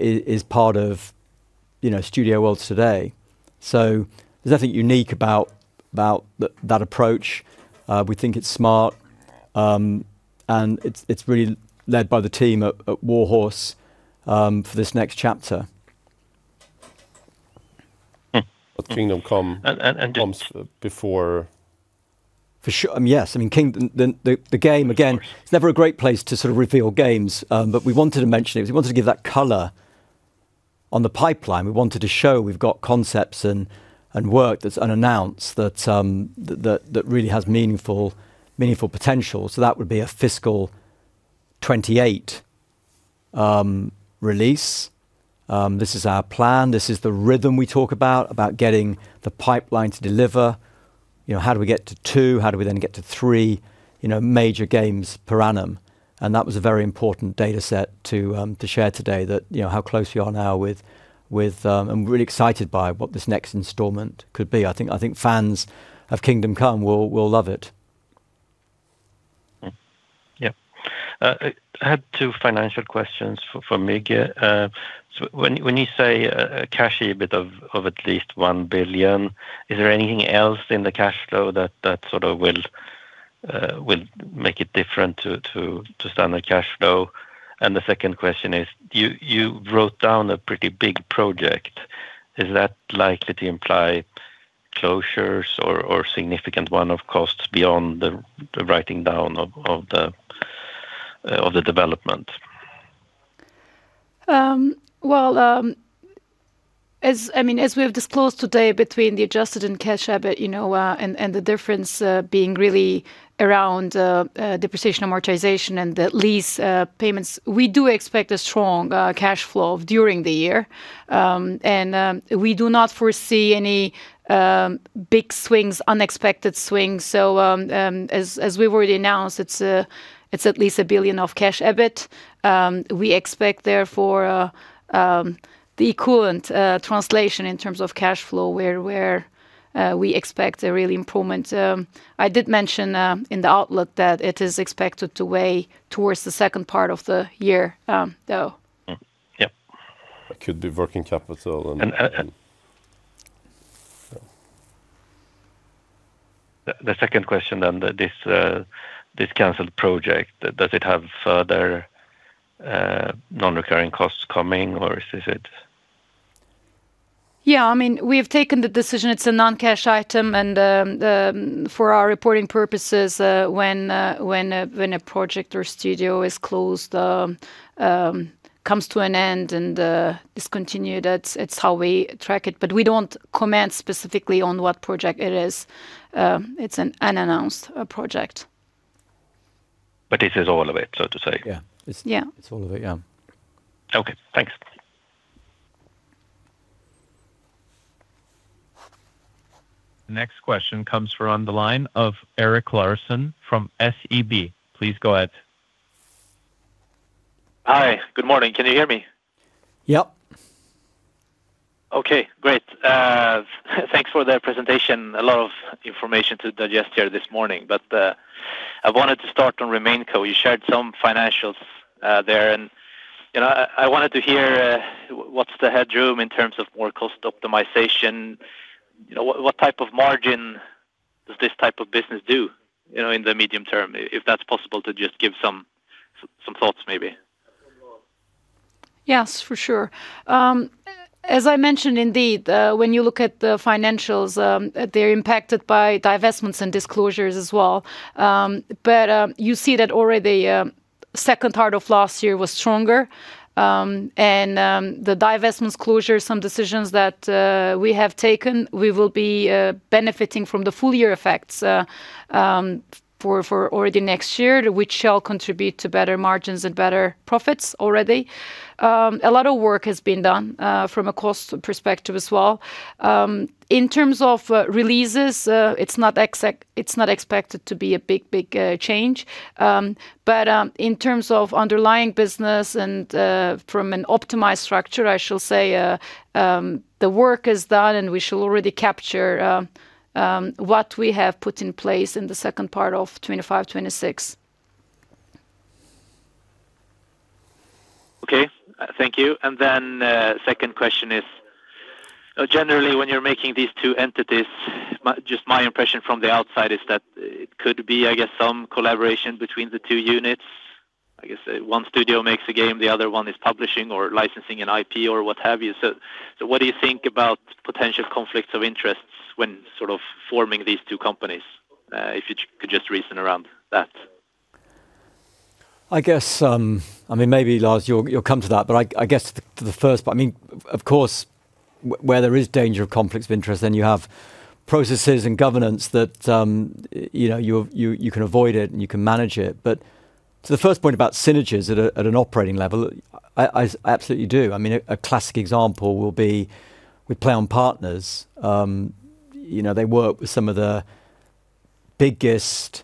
is part of, you know, studio worlds today. There's nothing unique about that approach. We think it's smart, and it's really led by the team at Warhorse Studios for this next chapter. Kingdom Come comes before- For sure. I mean, Kingdom Come, the game again, it's never a great place to sort of reveal games. We wanted to mention it because we wanted to give that color on the pipeline. We wanted to show we've got concepts and work that's unannounced that really has meaningful potential. That would be a fiscal 2028 release. This is our plan. This is the rhythm we talk about getting the pipeline to deliver. You know, how do we get to two? How do we get to three, you know, major games per annum? That was a very important data set to share today that, you know, how close we are now with really excited by what this next installment could be. I think fans of Kingdom Come will love it. Yes. I had two financial questions for Müge. When you say a cash EBIT of at least 1 billion, is there anything else in the cash flow that sort of will make it different to standard cash flow? The second question is, you wrote down a pretty big project. Is that likely to imply closures or significant one-off costs beyond the writing down of the development? Well, as we have disclosed today between the Adjusted and Cash EBIT, you know, and the difference being really around depreciation, amortization and the lease payments, we do expect a strong cash flow during the year. We do not foresee any big swings, unexpected swings. As we've already announced, it's at least 1 billion of Cash EBIT. We expect, therefore, the equivalent translation in terms of cash flow, where we expect a real improvement. I did mention in the outlook that it is expected to weigh towards the second part of the year, though. It could be working capital. The second question, then, this canceled project, does it have further nonrecurring costs coming, or is it? Yeah. I mean, we have taken the decision it's a noncash item. For our reporting purposes, when a project or studio is closed, comes to an end and discontinued, that's how we track it, but we don't comment specifically on what project it is. It's an unannounced project. But this is all of it, so to say. Yeah, yeah, it's all of it. Yeah. Okay, thanks. Next question comes from the line of Erik Larsson from SEB. Please go ahead. Hi, good morning. Can you hear me? Yep. Okay, great. Thanks for the presentation. A lot of information to digest here this morning. I wanted to start on RemainCo. You shared some financials there, and, you know, I wanted to hear what's the headroom in terms of more cost optimization? You know, what type of margin does this type of business do in the medium term, if that's possible to just give some thoughts, maybe? Yes, for sure. As I mentioned, indeed, when you look at the financials, they're impacted by divestments and disclosures as well. You see that already second part of last year was stronger. The divestments closure, some decisions that we have taken, we will be benefiting from the full-year effects for already next year, which shall contribute to better margins and better profits already. A lot of work has been done from a cost perspective as well. In terms of releases, it's not expected to be a big change. In terms of underlying business and from an optimized structure, I shall say the work is done and we shall already capture what we have put in place in the second part of 2025/2026. Okay, thank you. Second question is, generally, when you are making these two entities, just my impression from the outside is that it could be, I guess, some collaboration between the two units. I guess one studio makes a game, the other one is publishing or licensing an IP or what have you. What do you think about potential conflicts of interest when sort of forming these two companies, if you could just reason around that? I mean, maybe, Lars, you'll come to that. I guess, the first part, I mean, of course, where there is danger of conflicts of interest, then you have processes and governance that, you know, you can avoid it and you can manage it. To the first point about synergies at an operating level, I absolutely do. I mean, a classic example will be with PLAION Partners. They work with some of the biggest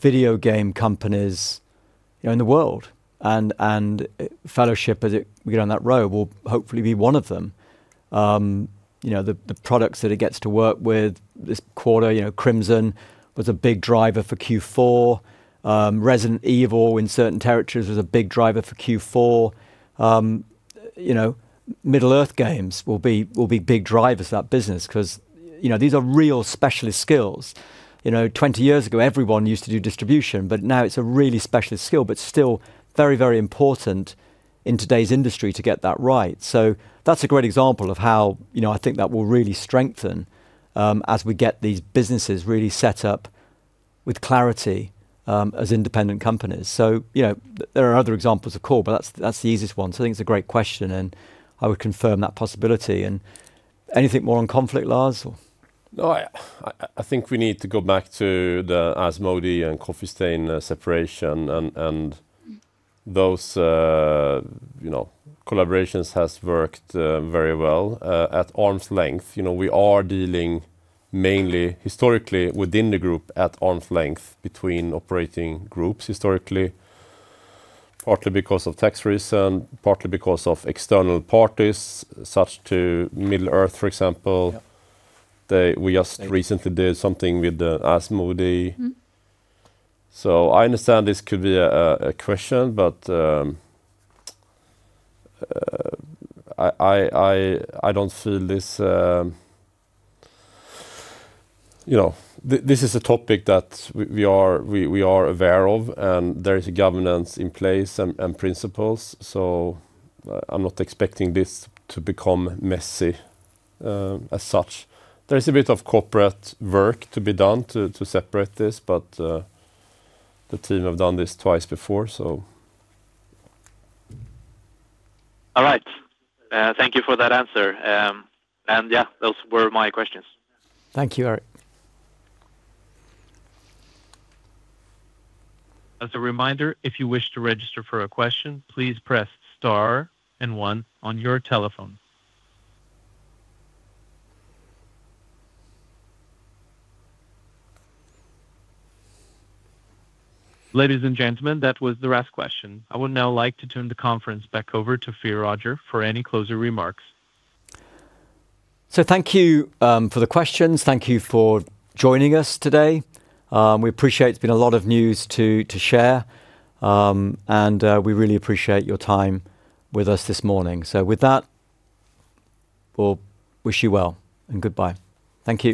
video game companies in the world. Fellowship, as we go down that road, will hopefully be one of them. The products that it gets to work with this quarter, you know, Crimson was a big driver for Q4. Resident Evil in certain territories was a big driver for Q4. You know, Middle-earth games will be big drivers of that business because, you know, these are real specialist skills. You know, 20 years ago, everyone used to do distribution, but now it's a really specialist skill, but still very, very important in today's industry to get that right. That's a great example of how, you know, I think that will really strengthen as we get these businesses really set up with clarity as independent companies. You know, there are other examples, of course, but that's the easiest one. I think it's a great question, and I would confirm that possibility. Anything more on conflict, Lars? No, I think we need to go back to the Asmodee and Coffee Stain separation, and those, you know, collaborations have worked very well at arm's length. You know, we are dealing mainly historically within the group at arm's length between operating groups historically, partly because of tax reason, partly because of external parties such as Middle-earth, for example. We just recently did something with the Asmodee. I understand this could be a question, but I don't feel this, you know, this is a topic that we are aware of, and there is a governance in place and principles. I'm not expecting this to become messy as such. There is a bit of corporate work to be done to separate this, but the team have done this twice before, so. Alright, thank you for that answer. Yeah, those were my questions. Thank you, Erik. As a reminder, if you wish to register for a question, please press star and one on your telephone. Ladies and gentlemen, that was the last question. I would now like to turn the conference back over to Phil Rogers for any closing remarks. Thank you for the questions. Thank you for joining us today. It's been a lot of news to share. We really appreciate your time with us this morning. With that, we'll wish you well and goodbye. Thank you.